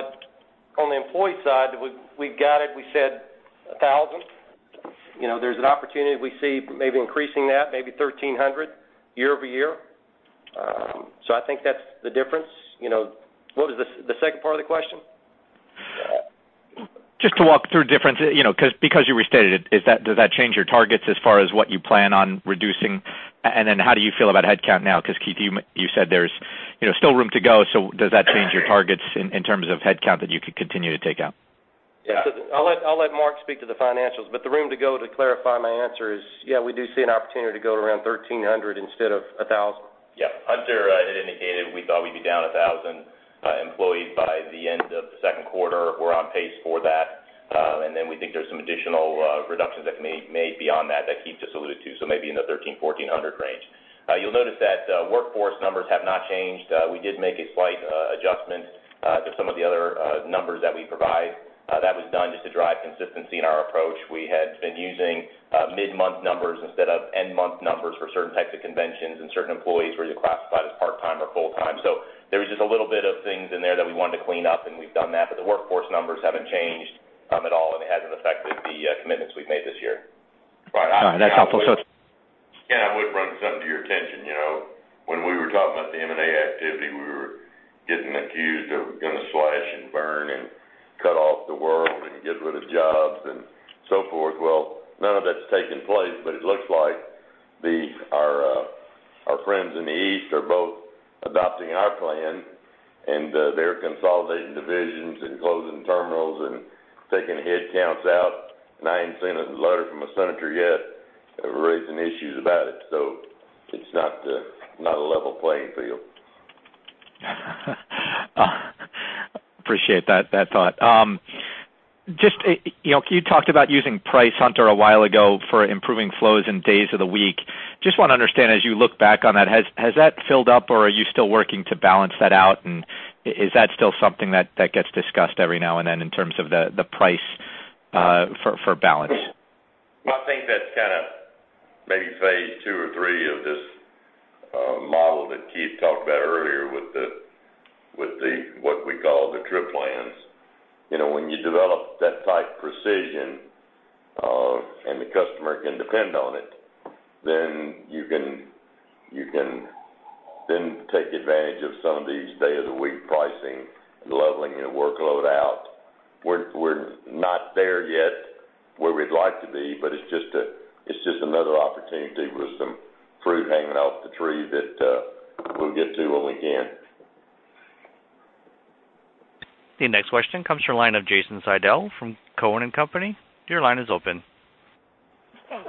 on the employee side, we've got it. We said 1,000. There's an opportunity we see maybe increasing that, maybe 1,300 year-over-year. So I think that's the difference. What was the second part of the question? Just to walk through difference. Because you restated it, does that change your targets as far as what you plan on reducing? And then how do you feel about headcount now? Because Keith, you said there's still room to go. So does that change your targets in terms of headcount that you could continue to take out? Yeah. So I'll let Mark speak to the financials. But the room to go to clarify my answer is, yeah, we do see an opportunity to go to around 1,300 instead of 1,000. Yeah. Hunter had indicated we thought we'd be down 1,000 employees by the end of the second quarter. We're on pace for that. And then we think there's some additional reductions that can be made beyond that that Keith just alluded to, so maybe in the 1,300, 1,400 range. You'll notice that workforce numbers have not changed. We did make a slight adjustment to some of the other numbers that we provide. That was done just to drive consistency in our approach. We had been using mid-month numbers instead of end-month numbers for certain types of conventions. Certain employees were either classified as part-time or full-time. So there was just a little bit of things in there that we wanted to clean up, and we've done that. But the workforce numbers haven't changed at all, and it hasn't affected the commitments we've made this year. All right. That's helpful. Yeah. And I would bring something to your attention. When we were talking about the M&A activity, we were getting accused of going to slash and burn and cut off the world and get rid of jobs and so forth. Well, none of that's taken place. But it looks like our friends in the East are both adopting our plan, and they're consolidating divisions and closing terminals and taking headcounts out. And I ain't seen a letter from a senator yet that raised any issues about it. So it's not a level playing field. Appreciate that thought. Keith talked about using price, Hunter a while ago for improving flows and days of the week. Just want to understand, as you look back on that, has that filled up, or are you still working to balance that out? And is that still something that gets discussed every now and then in terms of the price for balance? I think that's kind of maybe phase two or three of this model that Keith talked about earlier with what we call the trip plans. When you develop that type of precision and the customer can depend on it, then you can then take advantage of some of these day-of-the-week pricing and leveling your workload out. We're not there yet where we'd like to be, but it's just another opportunity with some fruit hanging off the tree that we'll get to when we can. The next question comes from the line of Jason Seidl from Cowen and Company. Your line is open.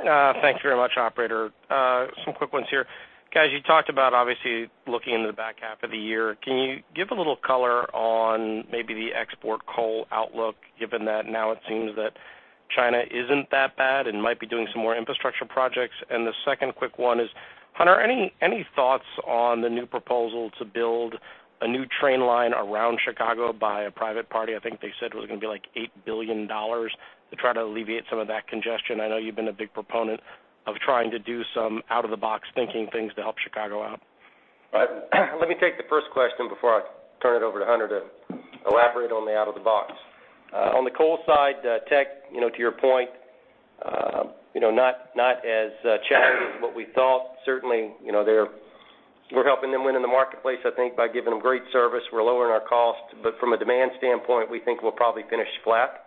Thanks very much, operator. Some quick ones here. Guys, you talked about obviously looking into the back half of the year. Can you give a little color on maybe the export coal outlook, given that now it seems that China isn't that bad and might be doing some more infrastructure projects? And the second quick one is, Hunter, any thoughts on the new proposal to build a new train line around Chicago by a private party? I think they said it was going to be like $8 billion to try to alleviate some of that congestion. I know you've been a big proponent of trying to do some out-of-the-box thinking things to help Chicago out. Right. Let me take the first question before I turn it over to Hunter to elaborate on the out-of-the-box. On the coal side, Teck, to your point, not as challenging as what we thought. Certainly, we're helping them win in the marketplace, I think, by giving them great service. We're lowering our cost. But from a demand standpoint, we think we'll probably finish flat.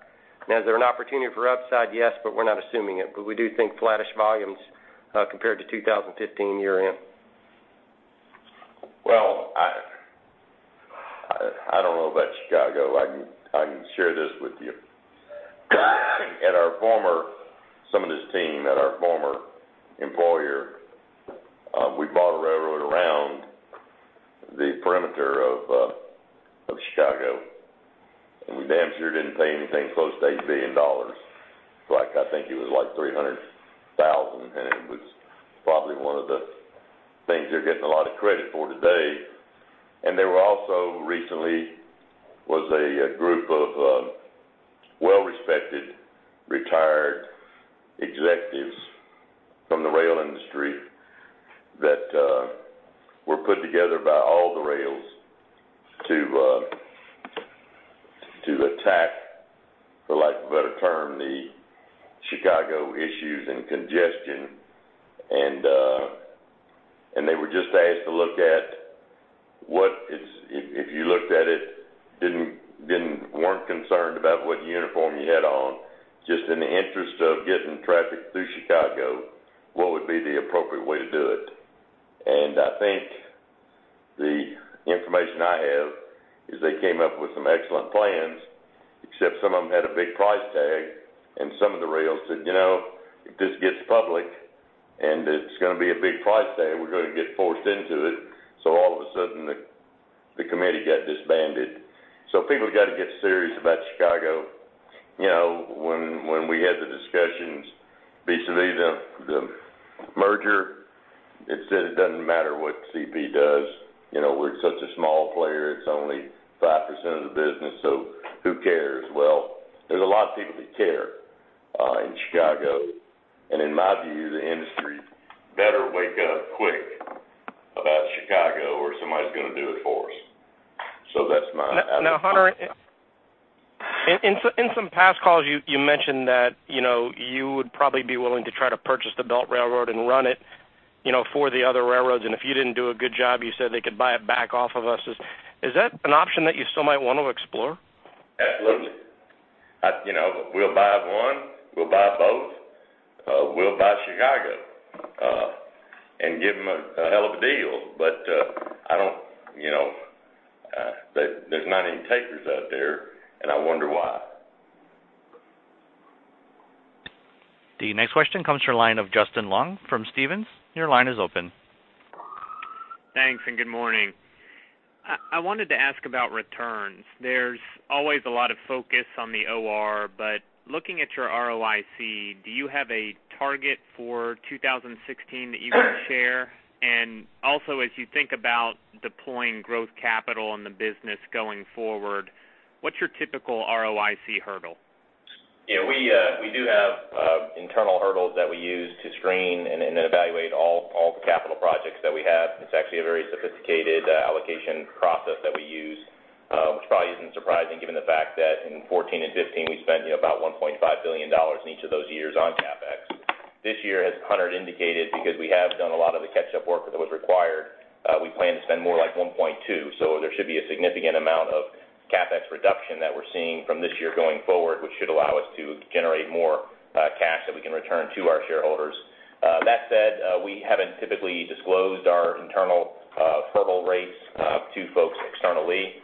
And as there are opportunities for upside, yes, but we're not assuming it. But we do think flattish volumes compared to 2015 year-end. Well, I don't know about Chicago. I can share this with you. Some of his team at our former employer, we bought a railroad around the perimeter of Chicago. And we damn sure didn't pay anything close to $8 billion. I think it was like $300,000, and it was probably one of the things they're getting a lot of credit for today. And there were also recently was a group of well-respected retired executives from the rail industry that were put together by all the rails to attack, for lack of a better term, the Chicago issues and congestion. And they were just asked to look at what if you looked at it, weren't concerned about what uniform you had on, just in the interest of getting traffic through Chicago, what would be the appropriate way to do it. I think the information I have is they came up with some excellent plans, except some of them had a big price tag. Some of the rails said, "If this gets public and it's going to be a big price tag, we're going to get forced into it." All of a sudden, the committee got disbanded. People have got to get serious about Chicago. When we had the discussions, vis-à-vis the merger, it said it doesn't matter what CP does. We're such a small player. It's only 5% of the business. Who cares? Well, there's a lot of people that care in Chicago. In my view, the industry better wake up quick about Chicago or somebody's going to do it for us. That's my advice. Now, Hunter, in some past calls, you mentioned that you would probably be willing to try to purchase the Belt Railway and run it for the other railroads. And if you didn't do a good job, you said they could buy it back off of us. Is that an option that you still might want to explore? Absolutely. We'll buy one. We'll buy both. We'll buy Chicago and give them a hell of a deal. But I don't. There's not any takers out there, and I wonder why. The next question comes from the line of Justin Long from Stephens. Your line is open. Thanks. Good morning. I wanted to ask about returns. There's always a lot of focus on the OR. But looking at your ROIC, do you have a target for 2016 that you can share? And also, as you think about deploying growth capital in the business going forward, what's your typical ROIC hurdle? Yeah. We do have internal hurdles that we use to screen and then evaluate all the capital projects that we have. It's actually a very sophisticated allocation process that we use, which probably isn't surprising given the fact that in 2014 and 2015, we spent about $1.5 billion in each of those years on CapEx. This year, as Hunter indicated, because we have done a lot of the catch-up work that was required, we plan to spend more like $1.2 billion. So there should be a significant amount of CapEx reduction that we're seeing from this year going forward, which should allow us to generate more cash that we can return to our shareholders. That said, we haven't typically disclosed our internal hurdle rates to folks externally.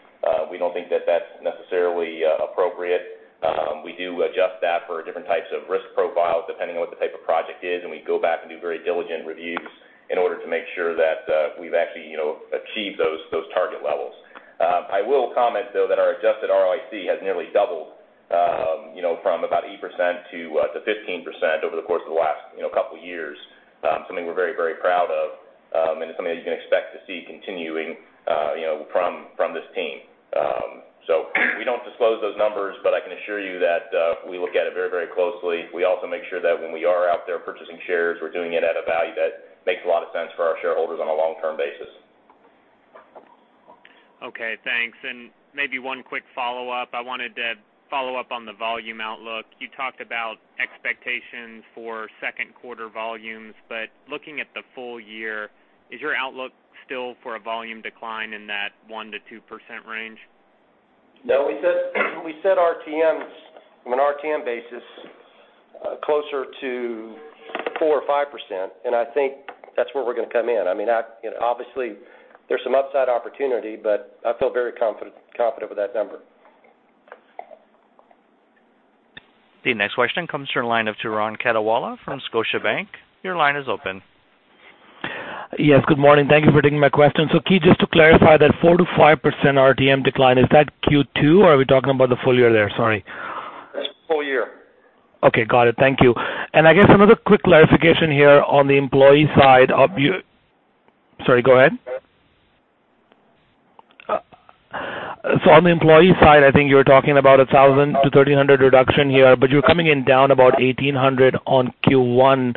We don't think that that's necessarily appropriate. We do adjust that for different types of risk profiles depending on what the type of project is. We go back and do very diligent reviews in order to make sure that we've actually achieved those target levels. I will comment, though, that our adjusted ROIC has nearly doubled from about 8%-15% over the course of the last couple of years, something we're very, very proud of. It's something that you can expect to see continuing from this team. So we don't disclose those numbers, but I can assure you that we look at it very, very closely. We also make sure that when we are out there purchasing shares, we're doing it at a value that makes a lot of sense for our shareholders on a long-term basis. Okay. Thanks. Maybe one quick follow-up. I wanted to follow up on the volume outlook. You talked about expectations for second-quarter volumes. Looking at the full year, is your outlook still for a volume decline in that 1%-2% range? No. We set RTMs on an RTM basis closer to 4% or 5%. I think that's where we're going to come in. I mean, obviously, there's some upside opportunity, but I feel very confident with that number. The next question comes from the line of Turan Quettawala from Scotiabank. Your line is open. Yes. Good morning. Thank you for taking my question. So Keith, just to clarify that 4%-5% RTM decline, is that Q2, or are we talking about the full year there? Sorry. That's full year. Okay. Got it. Thank you. I guess another quick clarification here on the employee side of yours. Sorry. Go ahead. On the employee side, I think you were talking about 1,000-1,300 reduction here. You're coming in down about 1,800 on Q1.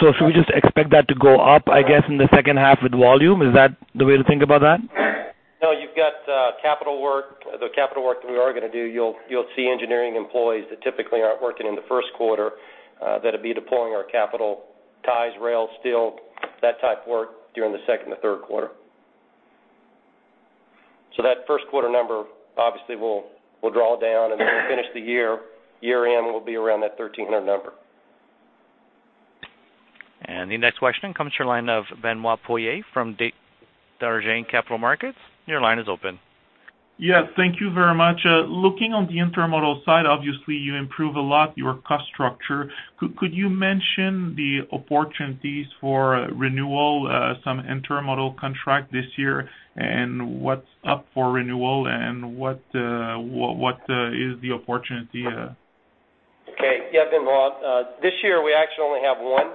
Should we just expect that to go up, I guess, in the second half with volume? Is that the way to think about that? No. You've got capital work. The capital work that we are going to do, you'll see engineering employees that typically aren't working in the first quarter that'll be deploying our capital, ties, rails, steel, that type of work during the second and third quarter. So that first-quarter number, obviously, we'll draw it down. And then we'll finish the year. Year-end, we'll be around that 1,300 number. The next question comes from the line of Benoit Poirier from Desjardins Capital Markets. Your line is open. Yes. Thank you very much. Looking on the intermodal side, obviously, you improve a lot your cost structure. Could you mention the opportunities for renewal, some intermodal contract this year, and what's up for renewal, and what is the opportunity? Okay. Yeah, Benoit. This year, we actually only have one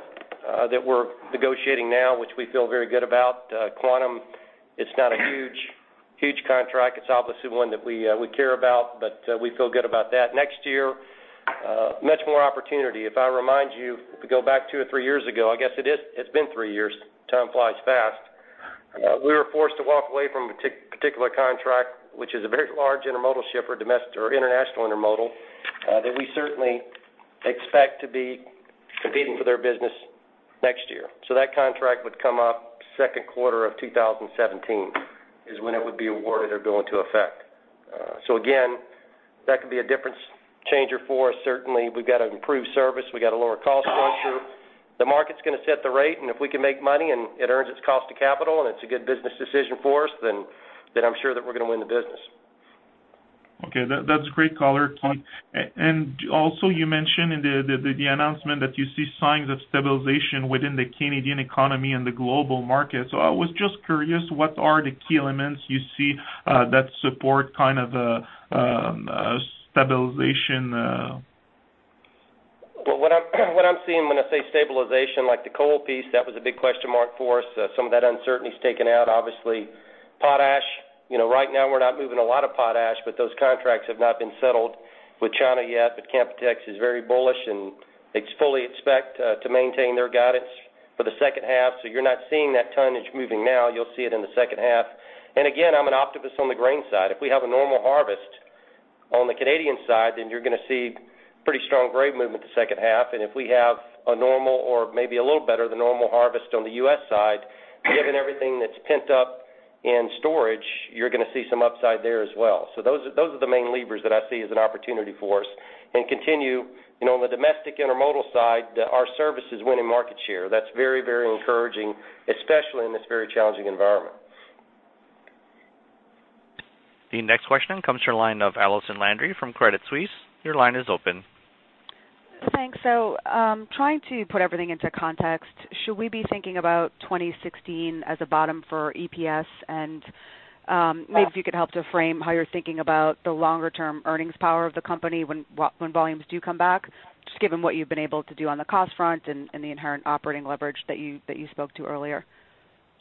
that we're negotiating now, which we feel very good about. Quantum, it's not a huge contract. It's obviously one that we care about, but we feel good about that. Next year, much more opportunity. If I remind you, if we go back two or three years ago I guess it's been three years. Time flies fast. We were forced to walk away from a particular contract, which is a very large intermodal shipper, international intermodal, that we certainly expect to be competing for their business next year. So that contract would come up second quarter of 2017 is when it would be awarded or go into effect. So again, that could be a difference changer for us. Certainly, we've got to improve service. We've got to lower cost structure. The market's going to set the rate. If we can make money and it earns its cost of capital and it's a good business decision for us, then I'm sure that we're going to win the business. Okay. That's a great color, Keith. Also, you mentioned in the announcement that you see signs of stabilization within the Canadian economy and the global market. So I was just curious, what are the key elements you see that support kind of stabilization? Well, what I'm seeing when I say stabilization, like the coal piece, that was a big question mark for us. Some of that uncertainty's taken out, obviously. Potash, right now, we're not moving a lot of potash, but those contracts have not been settled with China yet. But Canpotex is very bullish, and they fully expect to maintain their guidance for the second half. So you're not seeing that tonnage moving now. You'll see it in the second half. And again, I'm an optimist on the grain side. If we have a normal harvest on the Canadian side, then you're going to see pretty strong grain movement the second half. And if we have a normal or maybe a little better than normal harvest on the US side, given everything that's pent up in storage, you're going to see some upside there as well. So those are the main levers that I see as an opportunity for us. And continue on the domestic intermodal side, our service is winning market share. That's very, very encouraging, especially in this very challenging environment. The next question comes from the line of Allison Landry from Credit Suisse. Your line is open. Thanks. So trying to put everything into context, should we be thinking about 2016 as a bottom for EPS? And maybe if you could help to frame how you're thinking about the longer-term earnings power of the company when volumes do come back, just given what you've been able to do on the cost front and the inherent operating leverage that you spoke to earlier.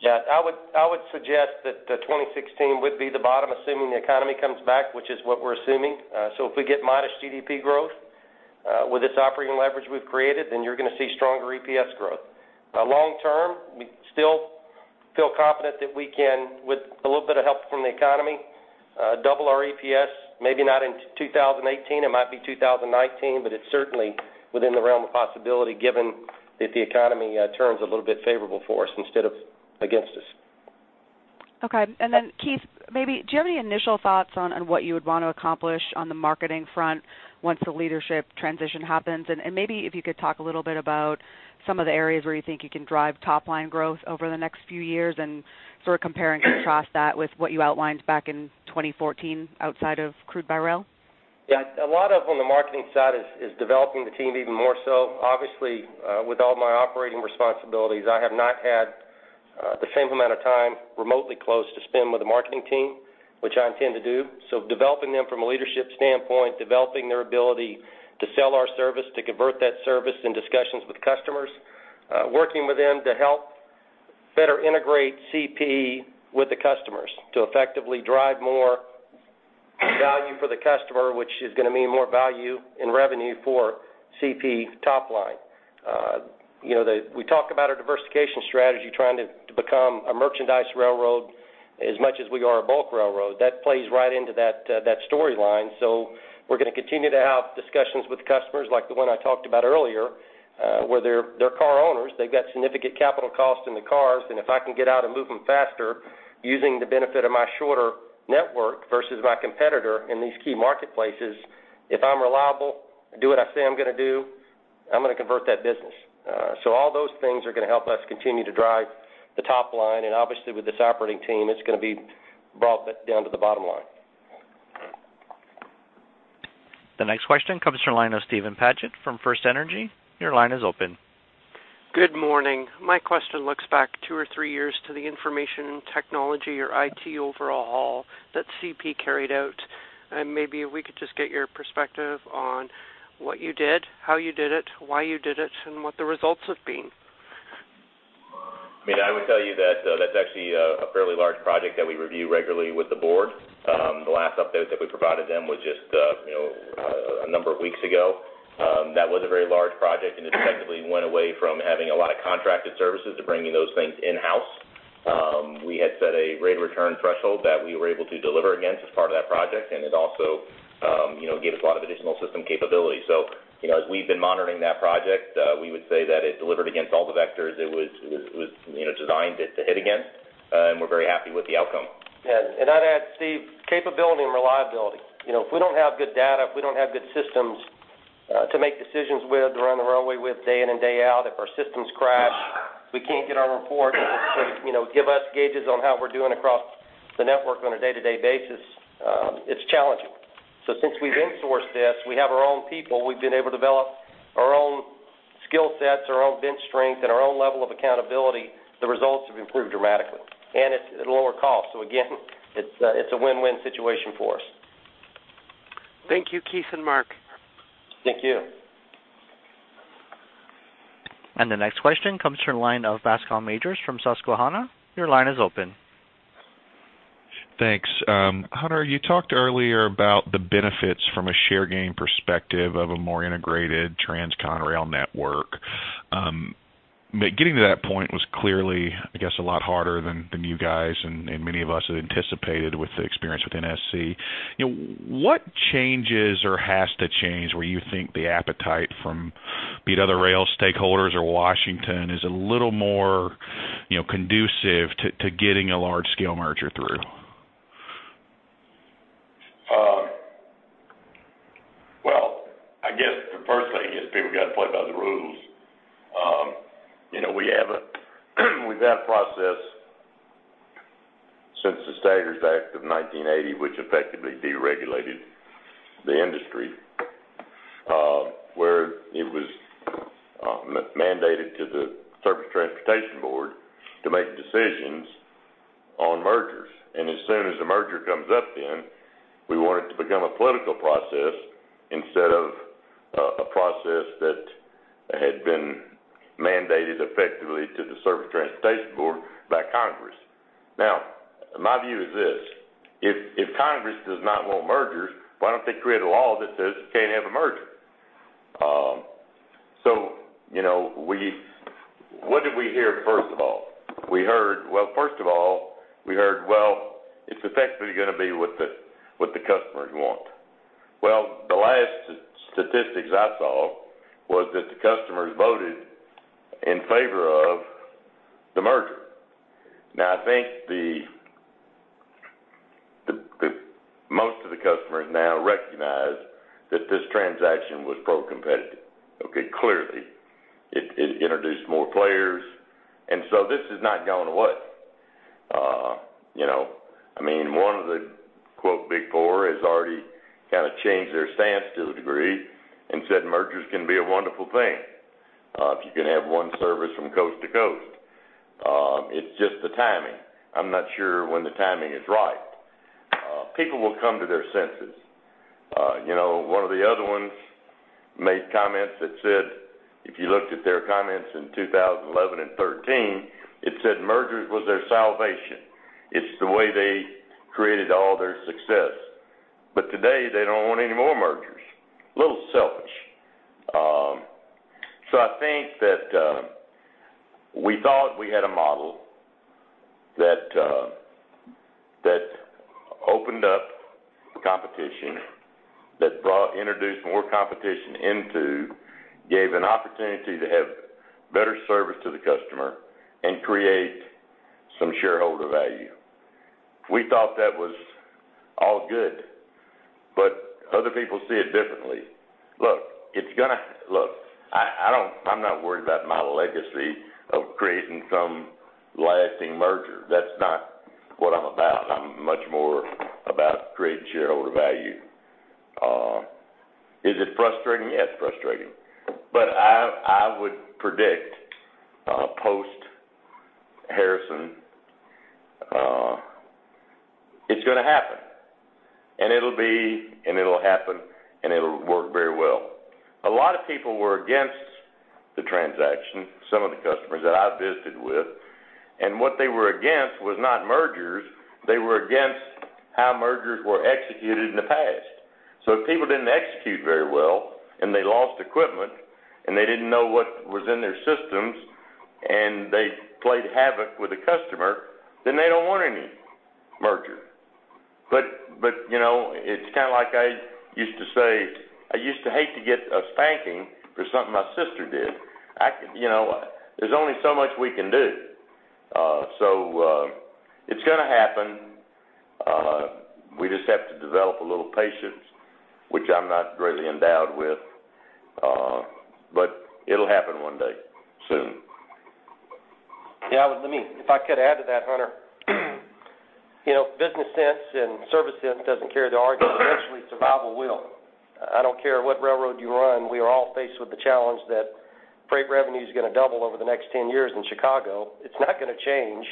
Yeah. I would suggest that 2016 would be the bottom, assuming the economy comes back, which is what we're assuming. So if we get modest GDP growth with this operating leverage we've created, then you're going to see stronger EPS growth. Long-term, we still feel confident that we can, with a little bit of help from the economy, double our EPS. Maybe not in 2018. It might be 2019, but it's certainly within the realm of possibility given that the economy turns a little bit favorable for us instead of against us. Okay. And then, Keith, do you have any initial thoughts on what you would want to accomplish on the marketing front once the leadership transition happens? And maybe if you could talk a little bit about some of the areas where you think you can drive top-line growth over the next few years and sort of compare and contrast that with what you outlined back in 2014 outside of crude by rail. Yeah. A lot of, on the marketing side, is developing the team even more so. Obviously, with all my operating responsibilities, I have not had the same amount of time remotely close to spend with the marketing team, which I intend to do. So developing them from a leadership standpoint, developing their ability to sell our service, to convert that service in discussions with customers, working with them to help better integrate CP with the customers to effectively drive more value for the customer, which is going to mean more value and revenue for CP top-line. We talk about our diversification strategy, trying to become a merchandise railroad as much as we are a bulk railroad. That plays right into that storyline. So we're going to continue to have discussions with customers like the one I talked about earlier, where they're car owners. They've got significant capital cost in the cars. If I can get out and move them faster using the benefit of my shorter network versus my competitor in these key marketplaces, if I'm reliable, do what I say I'm going to do, I'm going to convert that business. All those things are going to help us continue to drive the top-line. Obviously, with this operating team, it's going to be brought down to the bottom line. The next question comes from the line of Steve Paget from FirstEnergy. Your line is open. Good morning. My question looks back two or three years to the information technology, or IT, overhaul that CP carried out. Maybe if we could just get your perspective on what you did, how you did it, why you did it, and what the results have been. I mean, I would tell you that that's actually a fairly large project that we review regularly with the board. The last update that we provided them was just a number of weeks ago. That was a very large project. It effectively went away from having a lot of contracted services to bringing those things in-house. We had set a rate of return threshold that we were able to deliver against as part of that project. It also gave us a lot of additional system capability. As we've been monitoring that project, we would say that it delivered against all the vectors it was designed to hit against. We're very happy with the outcome. Yeah. And I'd add, Steve, capability and reliability. If we don't have good data, if we don't have good systems to make decisions with, to run the railway with day in and day out, if our systems crash, we can't get our reports to sort of give us gauges on how we're doing across the network on a day-to-day basis, it's challenging. So since we've insourced this, we have our own people. We've been able to develop our own skill sets, our own bench strength, and our own level of accountability. The results have improved dramatically. And it's at a lower cost. So again, it's a win-win situation for us. Thank you, Keith and Mark. Thank you. The next question comes from the line of Bascome Majors from Susquehanna. Your line is open. Thanks. Hunter, you talked earlier about the benefits from a share gain perspective of a more integrated transcon rail network. Getting to that point was clearly, I guess, a lot harder than you guys and many of us had anticipated with the experience with NSC. What changes or has to change where you think the appetite from be it other rail stakeholders or Washington is a little more conducive to getting a large-scale merger through? Well, I guess the first thing is people got to play by the rules. We've had a process since the Staggers Act of 1980, which effectively deregulated the industry, where it was mandated to the Surface Transportation Board to make decisions on mergers. And as soon as a merger comes up then, we want it to become a political process instead of a process that had been mandated effectively to the Surface Transportation Board by Congress. Now, my view is this: if Congress does not want mergers, why don't they create a law that says you can't have a merger? So what did we hear, first of all? Well, first of all, we heard, "Well, it's effectively going to be what the customers want." Well, the last statistics I saw was that the customers voted in favor of the merger. Now, I think most of the customers now recognize that this transaction was pro-competitive, okay, clearly. It introduced more players. And so this is not going away. I mean, one of the "Big Four" has already kind of changed their stance to a degree and said mergers can be a wonderful thing if you can have one service from coast to coast. It's just the timing. I'm not sure when the timing is right. People will come to their senses. One of the other ones made comments that said if you looked at their comments in 2011 and 2013, it said mergers was their salvation. It's the way they created all their success. But today, they don't want any more mergers. A little selfish. So I think that we thought we had a model that opened up competition, that introduced more competition into, gave an opportunity to have better service to the customer, and create some shareholder value. We thought that was all good. But other people see it differently. Look, it's going to look, I'm not worried about my legacy of creating some lasting merger. That's not what I'm about. I'm much more about creating shareholder value. Is it frustrating? Yes, frustrating. But I would predict post-Harrison, it's going to happen. And it'll be, and it'll happen, and it'll work very well. A lot of people were against the transaction, some of the customers that I visited with. And what they were against was not mergers. They were against how mergers were executed in the past. So if people didn't execute very well, and they lost equipment, and they didn't know what was in their systems, and they played havoc with the customer, then they don't want any merger. But it's kind of like I used to say I used to hate to get a spanking for something my sister did. There's only so much we can do. So it's going to happen. We just have to develop a little patience, which I'm not greatly endowed with. But it'll happen one day soon. Yeah. If I could add to that, Hunter, business sense and service sense doesn't carry the argument. Eventually, survival will. I don't care what railroad you run. We are all faced with the challenge that freight revenue's going to double over the next 10 years in Chicago. It's not going to change.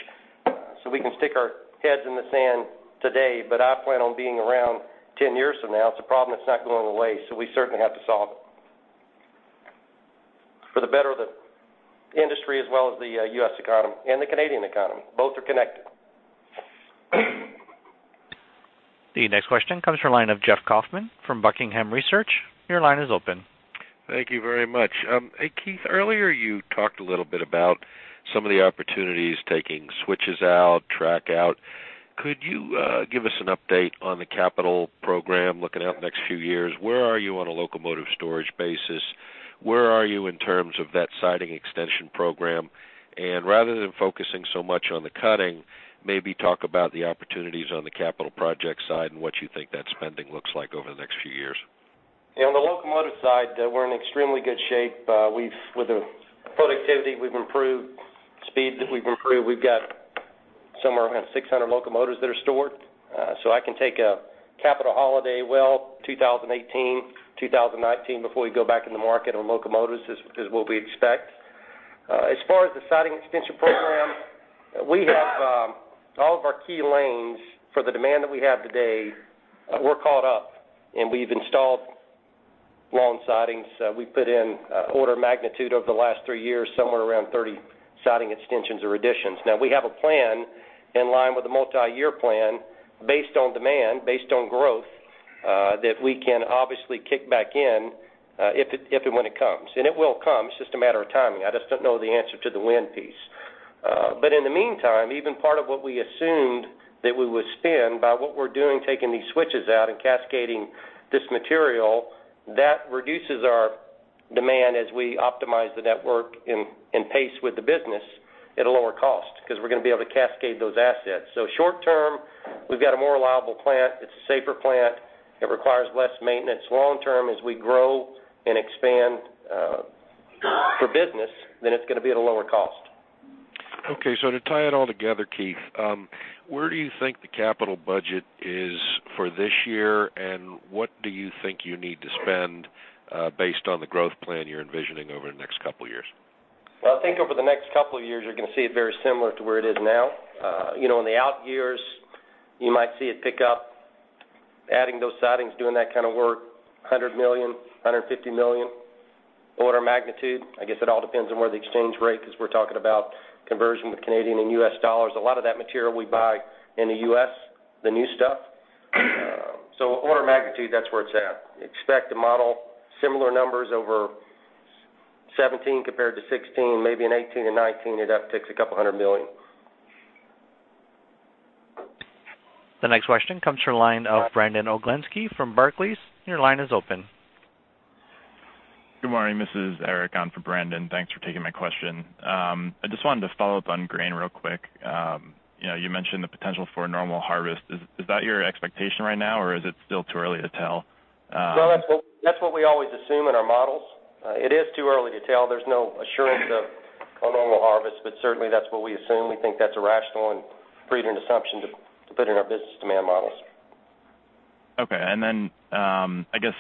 So we can stick our heads in the sand today. But I plan on being around 10 years from now. It's a problem that's not going away. So we certainly have to solve it for the better of the industry as well as the U.S. economy and the Canadian economy. Both are connected. The next question comes from the line of Jeff Kauffman from Buckingham Research. Your line is open. Thank you very much. Hey, Keith, earlier, you talked a little bit about some of the opportunities taking switches out, track out. Could you give us an update on the capital program looking out the next few years? Where are you on a locomotive storage basis? Where are you in terms of that siding extension program? And rather than focusing so much on the cutting, maybe talk about the opportunities on the capital project side and what you think that spending looks like over the next few years. Yeah. On the locomotive side, we're in extremely good shape. With the productivity we've improved, speed that we've improved. We've got somewhere around 600 locomotives that are stored. So I can take a capital holiday, well, 2018, 2019, before we go back in the market on locomotives, is what we expect. As far as the siding extension program, all of our key lanes for the demand that we have today, we're caught up. And we've installed long sidings. We put in order of magnitude over the last three years, somewhere around 30 siding extensions or additions. Now, we have a plan in line with a multi-year plan based on demand, based on growth, that we can obviously kick back in if and when it comes. And it will come. It's just a matter of timing. I just don't know the answer to the when piece. But in the meantime, even part of what we assumed that we would spend by what we're doing, taking these switches out and cascading this material, that reduces our demand as we optimize the network in pace with the business at a lower cost because we're going to be able to cascade those assets. So short-term, we've got a more reliable plant. It's a safer plant. It requires less maintenance. Long-term, as we grow and expand for business, then it's going to be at a lower cost. Okay. So to tie it all together, Keith, where do you think the capital budget is for this year? And what do you think you need to spend based on the growth plan you're envisioning over the next couple of years? Well, I think over the next couple of years, you're going to see it very similar to where it is now. In the out years, you might see it pick up, adding those sidings, doing that kind of work, $100 million-$150 million, order of magnitude. I guess it all depends on where the exchange rate because we're talking about conversion with Canadian and US dollars. A lot of that material, we buy in the US, the new stuff. So order of magnitude, that's where it's at. Expect a model, similar numbers over 2017 compared to 2016, maybe in 2018 and 2019, it upticks a couple hundred million. The next question comes from the line of Brandon Oglenski from Barclays. Your line is open. Good morning, this is Eric on for Brandon. Thanks for taking my question. I just wanted to follow up on grain real quick. You mentioned the potential for a normal harvest. Is that your expectation right now? Or is it still too early to tell? Well, that's what we always assume in our models. It is too early to tell. There's no assurance of a normal harvest. But certainly, that's what we assume. We think that's a rational and prudent assumption to put in our business demand models. Okay. Then, I guess,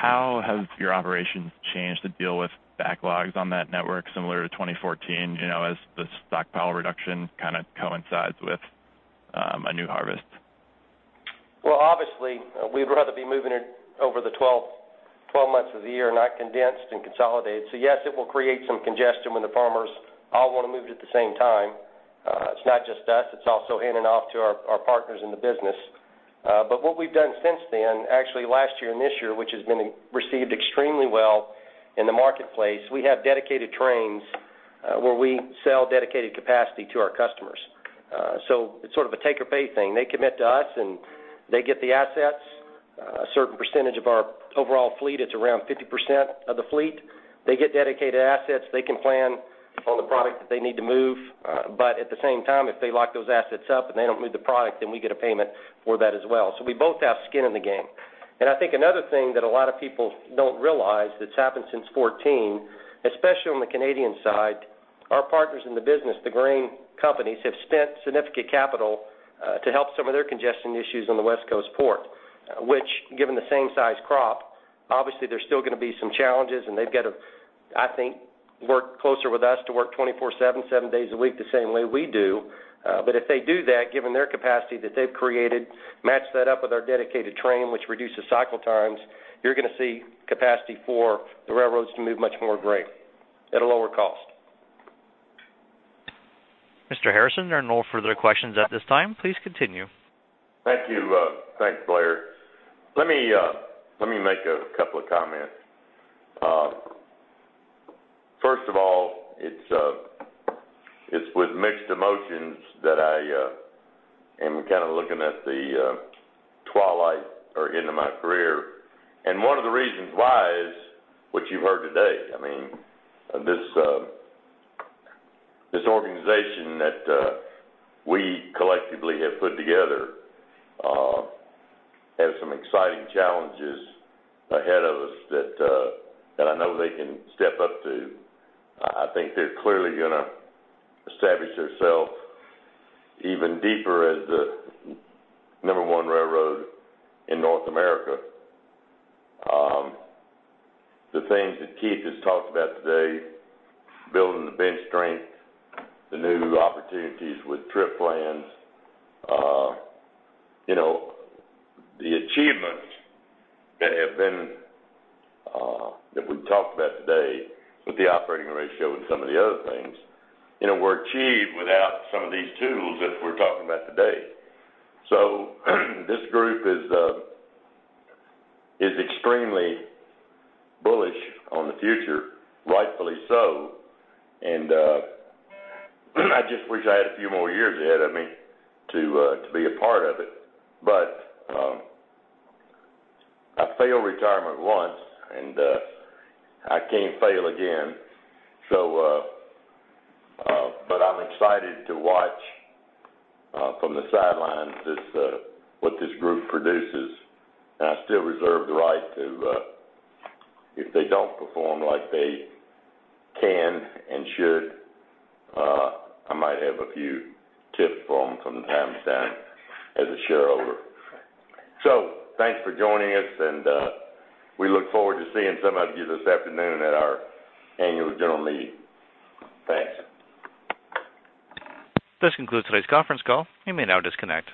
how have your operations changed to deal with backlogs on that network similar to 2014 as the stockpile reduction kind of coincides with a new harvest? Well, obviously, we'd rather be moving it over the 12 months of the year, not condensed and consolidated. So yes, it will create some congestion when the farmers all want to move it at the same time. It's not just us. It's also handing off to our partners in the business. But what we've done since then, actually last year and this year, which has been received extremely well in the marketplace, we have dedicated trains where we sell dedicated capacity to our customers. So it's sort of a take-or-pay thing. They commit to us. And they get the assets, a certain percentage of our overall fleet. It's around 50% of the fleet. They get dedicated assets. They can plan on the product that they need to move. But at the same time, if they lock those assets up and they don't move the product, then we get a payment for that as well. So we both have skin in the game. And I think another thing that a lot of people don't realize that's happened since 2014, especially on the Canadian side, our partners in the business, the grain companies, have spent significant capital to help some of their congestion issues on the West Coast port, which, given the same-size crop, obviously, there's still going to be some challenges. And they've got to, I think, work closer with us to work 24/7, seven days a week the same way we do. But if they do that, given their capacity that they've created, match that up with our dedicated train, which reduces cycle times, you're going to see capacity for the railroads to move much more grain at a lower cost. Mr. Harrison, there are no further questions at this time. Please continue. Thank you. Thanks, Blair. Let me make a couple of comments. First of all, it's with mixed emotions that I am kind of looking at the twilight or end of my career. And one of the reasons why is what you've heard today. I mean, this organization that we collectively have put together has some exciting challenges ahead of us that I know they can step up to. I think they're clearly going to establish themselves even deeper as the number one railroad in North America. The things that Keith has talked about today, building the bench strength, the new opportunities with trip plans, the achievements that have been that we've talked about today with the operating ratio and some of the other things were achieved without some of these tools that we're talking about today. So this group is extremely bullish on the future, rightfully so. I just wish I had a few more years ahead, I mean, to be a part of it. I failed retirement once. I can't fail again. I'm excited to watch from the sidelines what this group produces. I still reserve the right to if they don't perform like they can and should, I might have a few tips from them from time to time as a shareholder. So thanks for joining us. We look forward to seeing some of you this afternoon at our annual general meeting. Thanks. This concludes today's conference call. You may now disconnect.